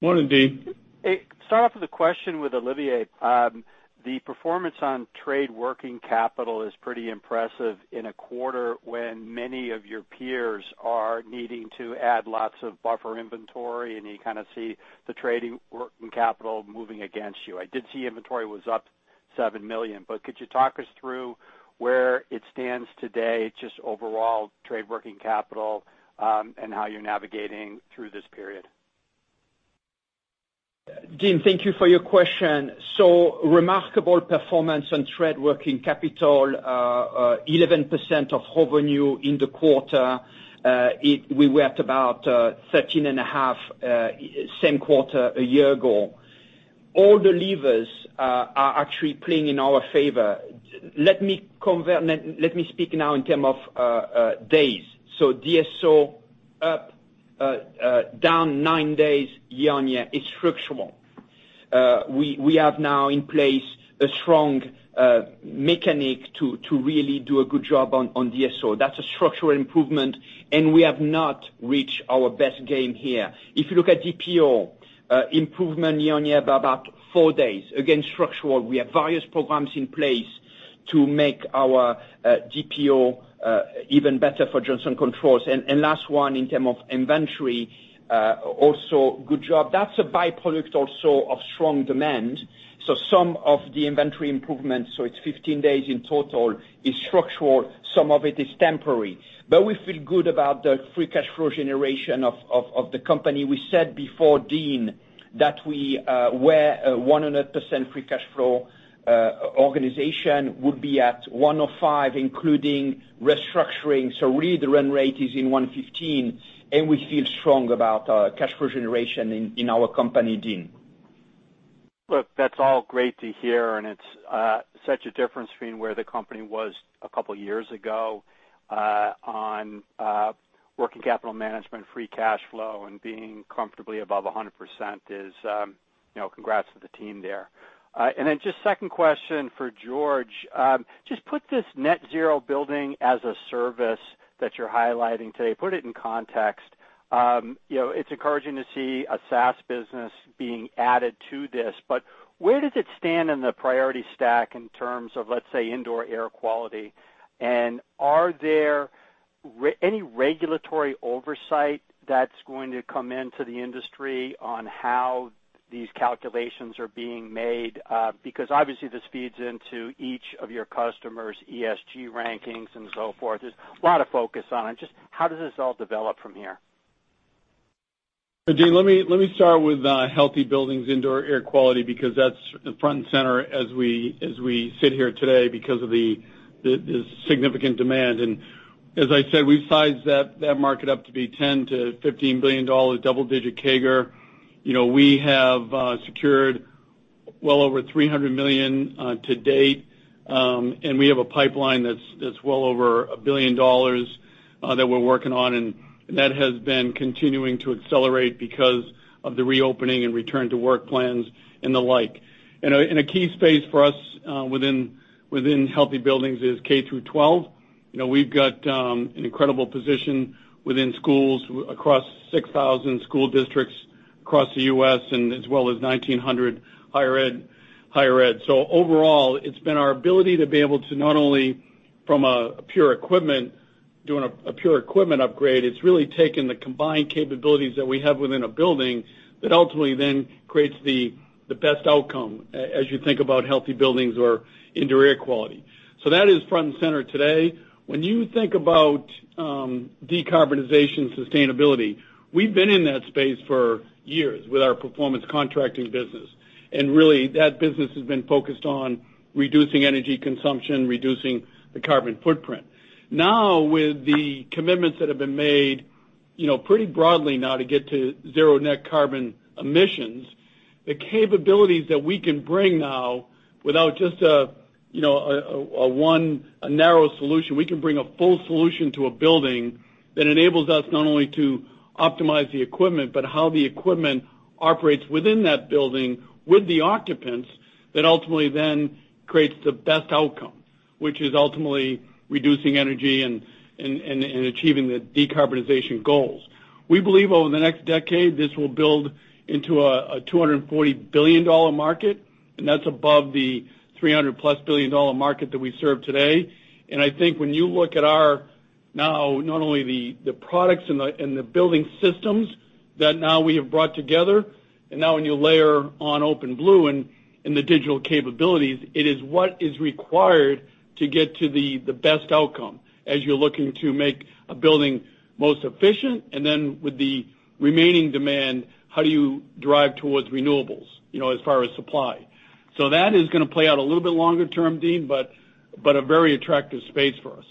Morning, Deane. Hey, start off with a question with Olivier. The performance on trade working capital is pretty impressive in a quarter when many of your peers are needing to add lots of buffer inventory. You kind of see the trading working capital moving against you. I did see inventory was up $7 million. Could you talk us through where it stands today, just overall trade working capital, and how you're navigating through this period? Deane, thank you for your question. Remarkable performance on trade working capital, 11% of revenue in the quarter. We were at about 13.5%, same quarter a year ago. All the levers are actually playing in our favor. Let me speak now in terms of days. DSO down nine days year-on-year is structural. We have now in place a strong mechanic to really do a good job on DSO. That's a structural improvement, and we have not reached our best game here. If you look at DPO, improvement year-on-year by about four days. Again, structural. We have various programs in place to make our DPO even better for Johnson Controls. Last one, in terms of inventory, also good job. That's a byproduct also of strong demand. Some of the inventory improvements, so it's 15 days in total, is structural, some of it is temporary. We feel good about the free cash flow generation of the company. We said before, Dean, that we were 100% free cash flow organization would be at 105, including restructuring. Really the run rate is in 115, and we feel strong about cash flow generation in our company, Dean. Look, that's all great to hear, and it's such a difference between where the company was a couple of years ago, on working capital management, free cash flow, and being comfortably above 100% is. Congrats to the team there. Then just second question for George. Just put this OpenBlue Net Zero Buildings as a Service that you're highlighting today, put it in context. It's encouraging to see a SaaS business being added to this, but where does it stand in the priority stack in terms of, let's say, indoor air quality? Are there any regulatory oversight that's going to come into the industry on how these calculations are being made? Obviously, this feeds into each of your customers' ESG rankings and so forth. There's a lot of focus on it. Just how does this all develop from here? Deane, let me start with Healthy Buildings indoor air quality, because that's front and center as we sit here today because of the significant demand. As I said, we've sized that market up to be $10 billion-$15 billion, double-digit CAGR. We have secured well over $300 million to date, and we have a pipeline that's well over $1 billion that we're working on, and that has been continuing to accelerate because of the reopening and return to work plans and the like. A key space for us within Healthy Buildings is K-12. We've got an incredible position within schools across 6,000 school districts across the U.S. and as well as 1,900 higher ed. Overall, it's been our ability to be able to not only from doing a pure equipment upgrade, it's really taken the combined capabilities that we have within a building that ultimately then creates the best outcome, as you think about Healthy Buildings or indoor air quality. That is front and center today. When you think about Decarbonization sustainability, we've been in that space for years with our performance contracting business. Really, that business has been focused on reducing energy consumption, reducing the carbon footprint. With the commitments that have been made pretty broadly now to get to zero net carbon emissions, the capabilities that we can bring now without just a narrow solution. We can bring a full solution to a building that enables us not only to optimize the equipment, but how the equipment operates within that building with the occupants that ultimately then creates the best outcome, which is ultimately reducing energy and achieving the Decarbonization goals. We believe over the next decade, this will build into a $240 billion market. That's above the $300-plus billion market that we serve today. I think when you look at our, now not only the products and the building systems that now we have brought together, and now when you layer on OpenBlue and the digital capabilities, it is what is required to get to the best outcome as you're looking to make a building most efficient. Then with the remaining demand, how do you drive towards renewables, as far as supply. That is going to play out a little bit longer term, Deane, but a very attractive space for us.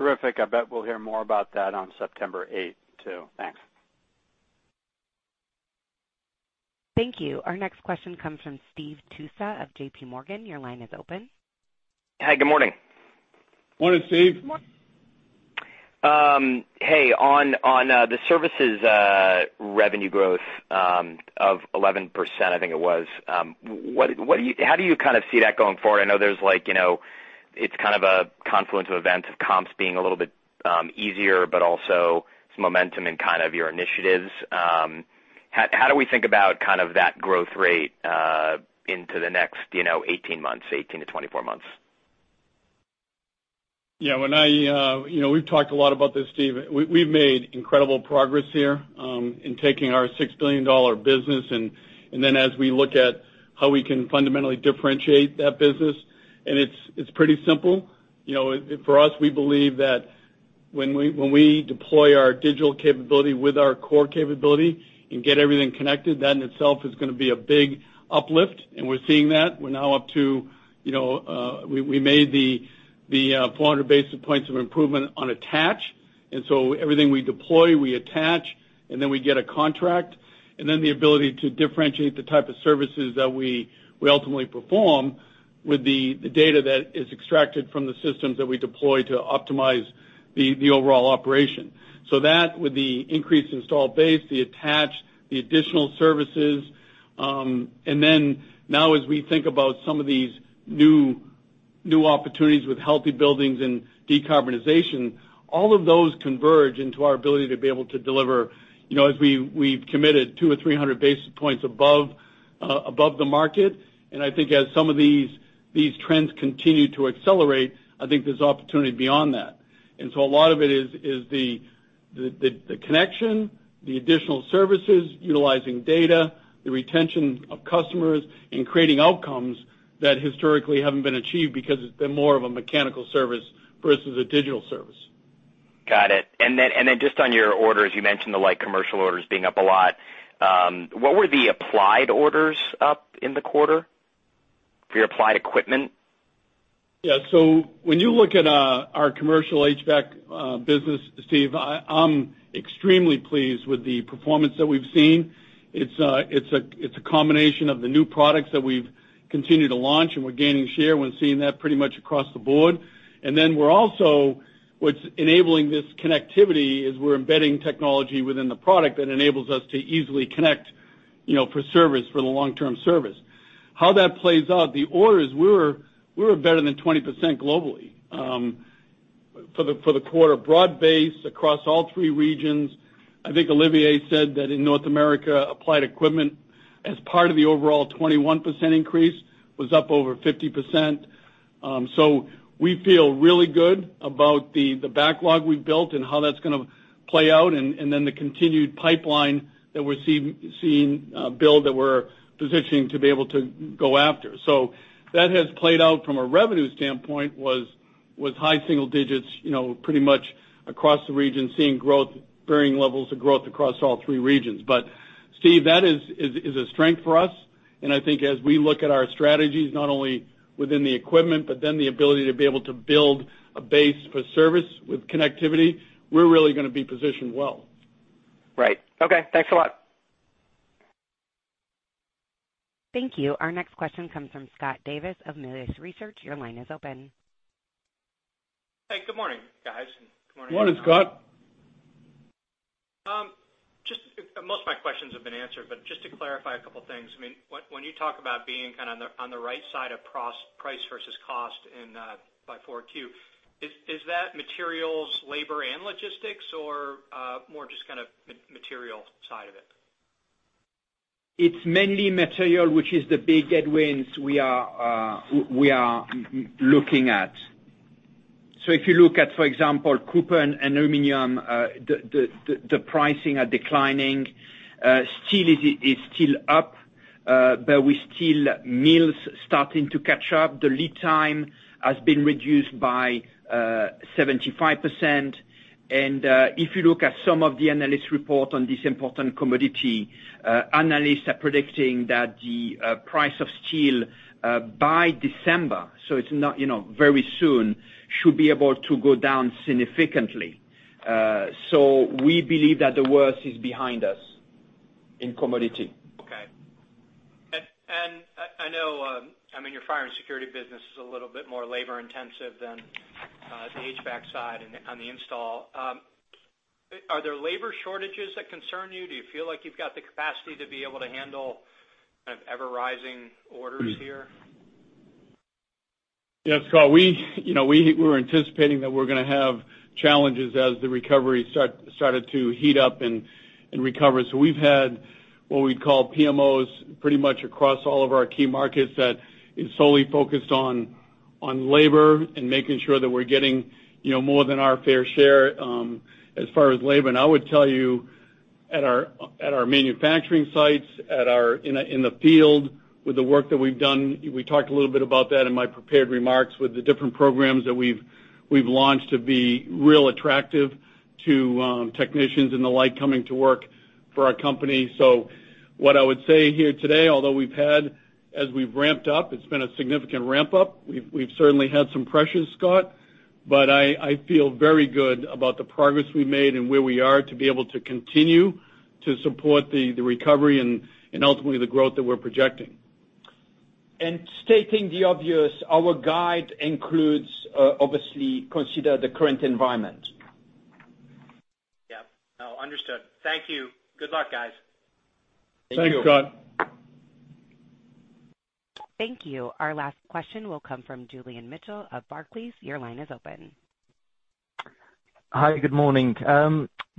Terrific. I bet we'll hear more about that on September 8th, too. Thanks. Thank you. Our next question comes from Steve Tusa of J.P. Morgan. Your line is open. Hi, good morning. Morning, Steve. Hey, on the services revenue growth of 11%, I think it was, how do you see that going forward? I know it's kind of a confluence of events, of comps being a little bit easier, but also some momentum in your initiatives. How do we think about that growth rate into the next 18 to 24 months? Yeah, we've talked a lot about this, Steve. We've made incredible progress here in taking our $6 billion business, and then as we look at how we can fundamentally differentiate that business, and it's pretty simple. For us, we believe that when we deploy our digital capability with our core capability and get everything connected, that in itself is going to be a big uplift, and we're seeing that. We made the 400 basis points of improvement on attach. Everything we deploy, we attach, and then we get a contract. The ability to differentiate the type of services that we ultimately perform with the data that is extracted from the systems that we deploy to optimize the overall operation. With the increased install base, the attached, the additional services. Now as we think about some of these new opportunities with healthy buildings and Decarbonization, all of those converge into our ability to be able to deliver. As we've committed to a 300 basis points above the market, and I think as some of these trends continue to accelerate, I think there's opportunity beyond that. A lot of it is the connection, the additional services, utilizing data, the retention of customers, and creating outcomes that historically haven't been achieved because it's been more of a mechanical service versus a digital service. Got it. Just on your orders, you mentioned the light commercial orders being up a lot. What were the applied orders up in the quarter for your applied equipment? Yeah. When you look at our commercial HVAC business, Steve, I'm extremely pleased with the performance that we've seen. It's a combination of the new products that we've continued to launch, and we're gaining share. We're seeing that pretty much across the board. What's enabling this connectivity is we're embedding technology within the product that enables us to easily connect for the long-term service. How that plays out, the orders were better than 20% globally for the quarter. Broad-based across all three regions. I think Olivier said that in North America, applied equipment, as part of the overall 21% increase, was up over 50%. We feel really good about the backlog we've built and how that's going to play out, and then the continued pipeline that we're seeing build that we're positioning to be able to go after. That has played out from a revenue standpoint was high single digits pretty much across the region, seeing varying levels of growth across all three regions. Steve, that is a strength for us, and I think as we look at our strategies, not only within the equipment, but then the ability to be able to build a base for service with connectivity, we're really going to be positioned well. Right. Okay, thanks a lot. Thank you. Our next question comes from Scott Davis of Melius Research. Your line is open. Hey, good morning, guys. Morning, Scott. Most of my questions have been answered, but just to clarify a couple things. When you talk about being on the right side of price versus cost by 4Q, is that materials, labor, and logistics, or more just material side of it? It's mainly material, which is the big headwinds we are looking at. If you look at, for example, copper and aluminum, the pricing are declining. Steel is still up, but with steel, mills starting to catch up. The lead time has been reduced by 75%. If you look at some of the analyst report on this important commodity, analysts are predicting that the price of steel by December, so it's very soon, should be about to go down significantly. We believe that the worst is behind us in commodity. Okay. I know your fire and security business is a little bit more labor intensive than the HVAC side on the install. Are there labor shortages that concern you? Do you feel like you've got the capacity to be able to handle ever-rising orders here? Yeah, Scott, we were anticipating that we're going to have challenges as the recovery started to heat up and recover. We've had what we call PMOs pretty much across all of our key markets that is solely focused on labor and making sure that we're getting more than our fair share as far as labor. I would tell you at our manufacturing sites, in the field with the work that we've done, we talked a little bit about that in my prepared remarks, with the different programs that we've launched to be real attractive to technicians and the like coming to work for our company. What I would say here today, although we've had, as we've ramped up, it's been a significant ramp up. We've certainly had some pressures, Scott, but I feel very good about the progress we've made and where we are to be able to continue to support the recovery and ultimately, the growth that we're projecting. Stating the obvious, our guide includes, obviously, consider the current environment. Yeah. No, understood. Thank you. Good luck, guys. Thank you. Thanks, Scott. Thank you. Our last question will come from Julian Mitchell of Barclays. Your line is open. Hi, good morning.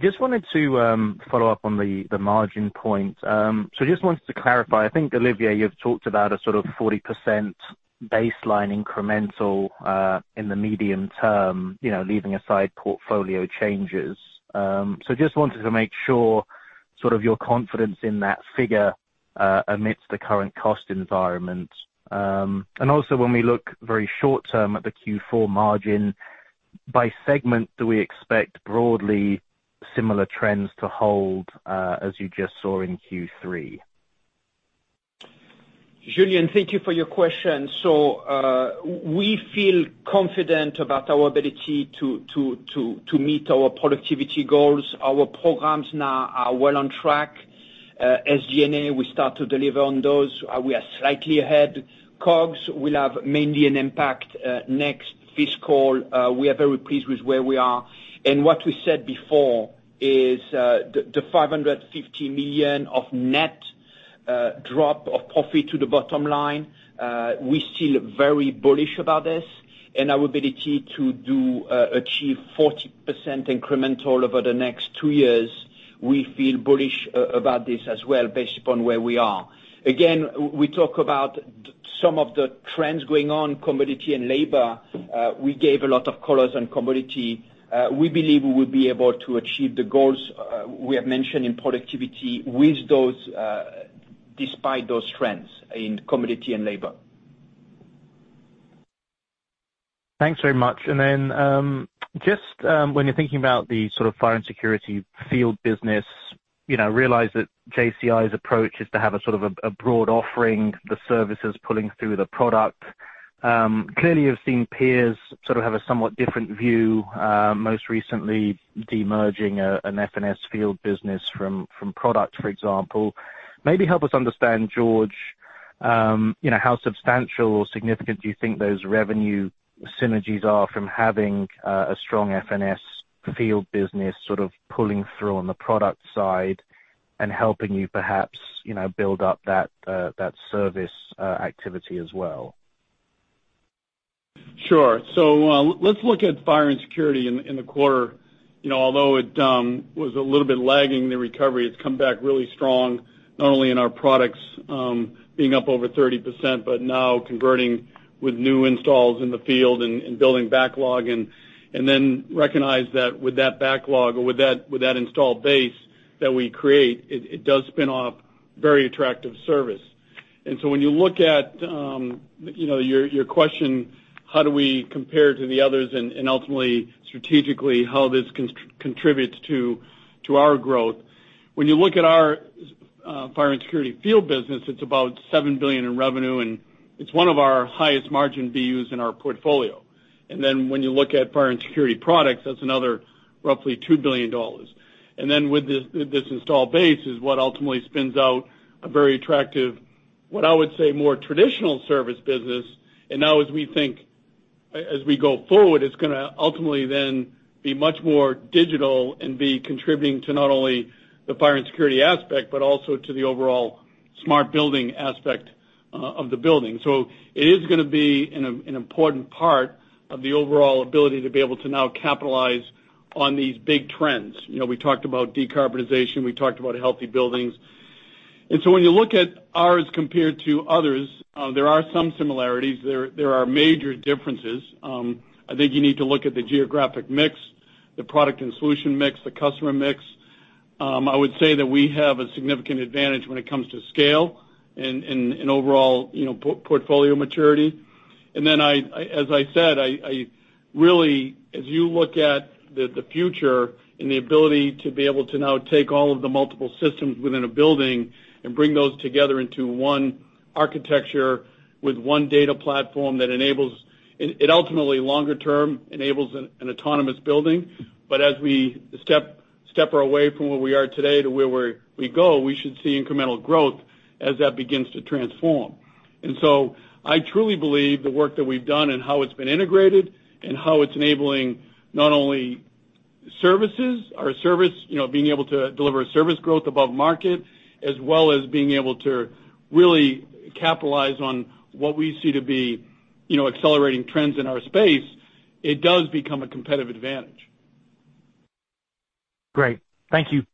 Just wanted to follow up on the margin point. Just wanted to clarify, I think, Olivier, you've talked about a sort of 40% baseline incremental, in the medium term, leaving aside portfolio changes. Just wanted to make sure sort of your confidence in that figure, amidst the current cost environment. Also when we look very short term at the Q4 margin, by segment, do we expect broadly similar trends to hold, as you just saw in Q3? Julian, thank you for your question. We feel confident about our ability to meet our productivity goals. Our programs now are well on track. SG&A, we start to deliver on those. We are slightly ahead. COGS will have mainly an impact next fiscal. We are very pleased with where we are. What we said before is the $550 million of net drop of profit to the bottom line, we're still very bullish about this and our ability to achieve 40% incremental over the next two years. We feel bullish about this as well, based upon where we are. Again, we talk about some of the trends going on, commodity and labor. We gave a lot of colors on commodity. We believe we will be able to achieve the goals we have mentioned in productivity despite those trends in commodity and labor. Thanks very much. Just when you're thinking about the sort of fire and security field business, realize that JCI's approach is to have a sort of a broad offering, the services pulling through the product. Clearly, you've seen peers sort of have a somewhat different view, most recently demerging an FNS field business from product, for example. Maybe help us understand, George, how substantial or significant do you think those revenue synergies are from having a strong FNS field business sort of pulling through on the product side and helping you perhaps build up that service activity as well? Sure. Let's look at fire and security in the quarter. Although it was a little bit lagging, the recovery, it's come back really strong, not only in our products, being up over 30%, but now converting with new installs in the field and building backlog, and then recognize that with that backlog or with that install base that we create, it does spin off very attractive service. When you look at your question, how do we compare to the others and ultimately strategically how this contributes to our growth? When you look at our fire and security field business, it's about $7 billion in revenue, and it's one of our highest marginUs in our portfolio. When you look at fire and security products, that's another roughly $2 billion. With this install base is what ultimately spins out a very attractive, what I would say, more traditional service business. As we think as we go forward, it's going to ultimately then be much more digital and be contributing to not only the fire and security aspect, but also to the overall smart building aspect of the building. It is going to be an important part of the overall ability to be able to now capitalize on these big trends. We talked about Decarbonization, we talked about healthy buildings. When you look at ours compared to others, there are some similarities. There are major differences. I think you need to look at the geographic mix, the product and solution mix, the customer mix. I would say that we have a significant advantage when it comes to scale and overall portfolio maturity. As I said, really, as you look at the future and the ability to be able to now take all of the multiple systems within a building and bring those together into one architecture with one data platform that enables it, ultimately longer term, enables an autonomous building. As we step away from where we are today to where we go, we should see incremental growth as that begins to transform. I truly believe the work that we've done and how it's been integrated and how it's enabling not only services, our service being able to deliver service growth above market, as well as being able to really capitalize on what we see to be accelerating trends in our space, it does become a competitive advantage. Great. Thank you.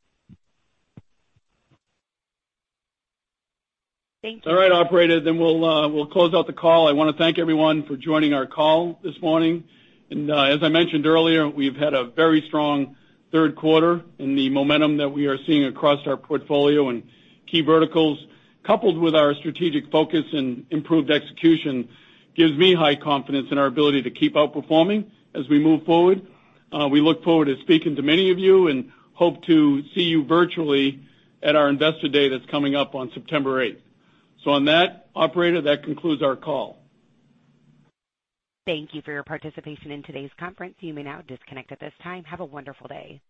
Thank you. All right, operator. We'll close out the call. I want to thank everyone for joining our call this morning. As I mentioned earlier, we've had a very strong third quarter in the momentum that we are seeing across our portfolio and key verticals, coupled with our strategic focus and improved execution gives me high confidence in our ability to keep outperforming as we move forward. We look forward to speaking to many of you and hope to see you virtually at our investor day that's coming up on September 8th. On that, operator, that concludes our call. Thank you for your participation in today's conference. You may now disconnect at this time. Have a wonderful day.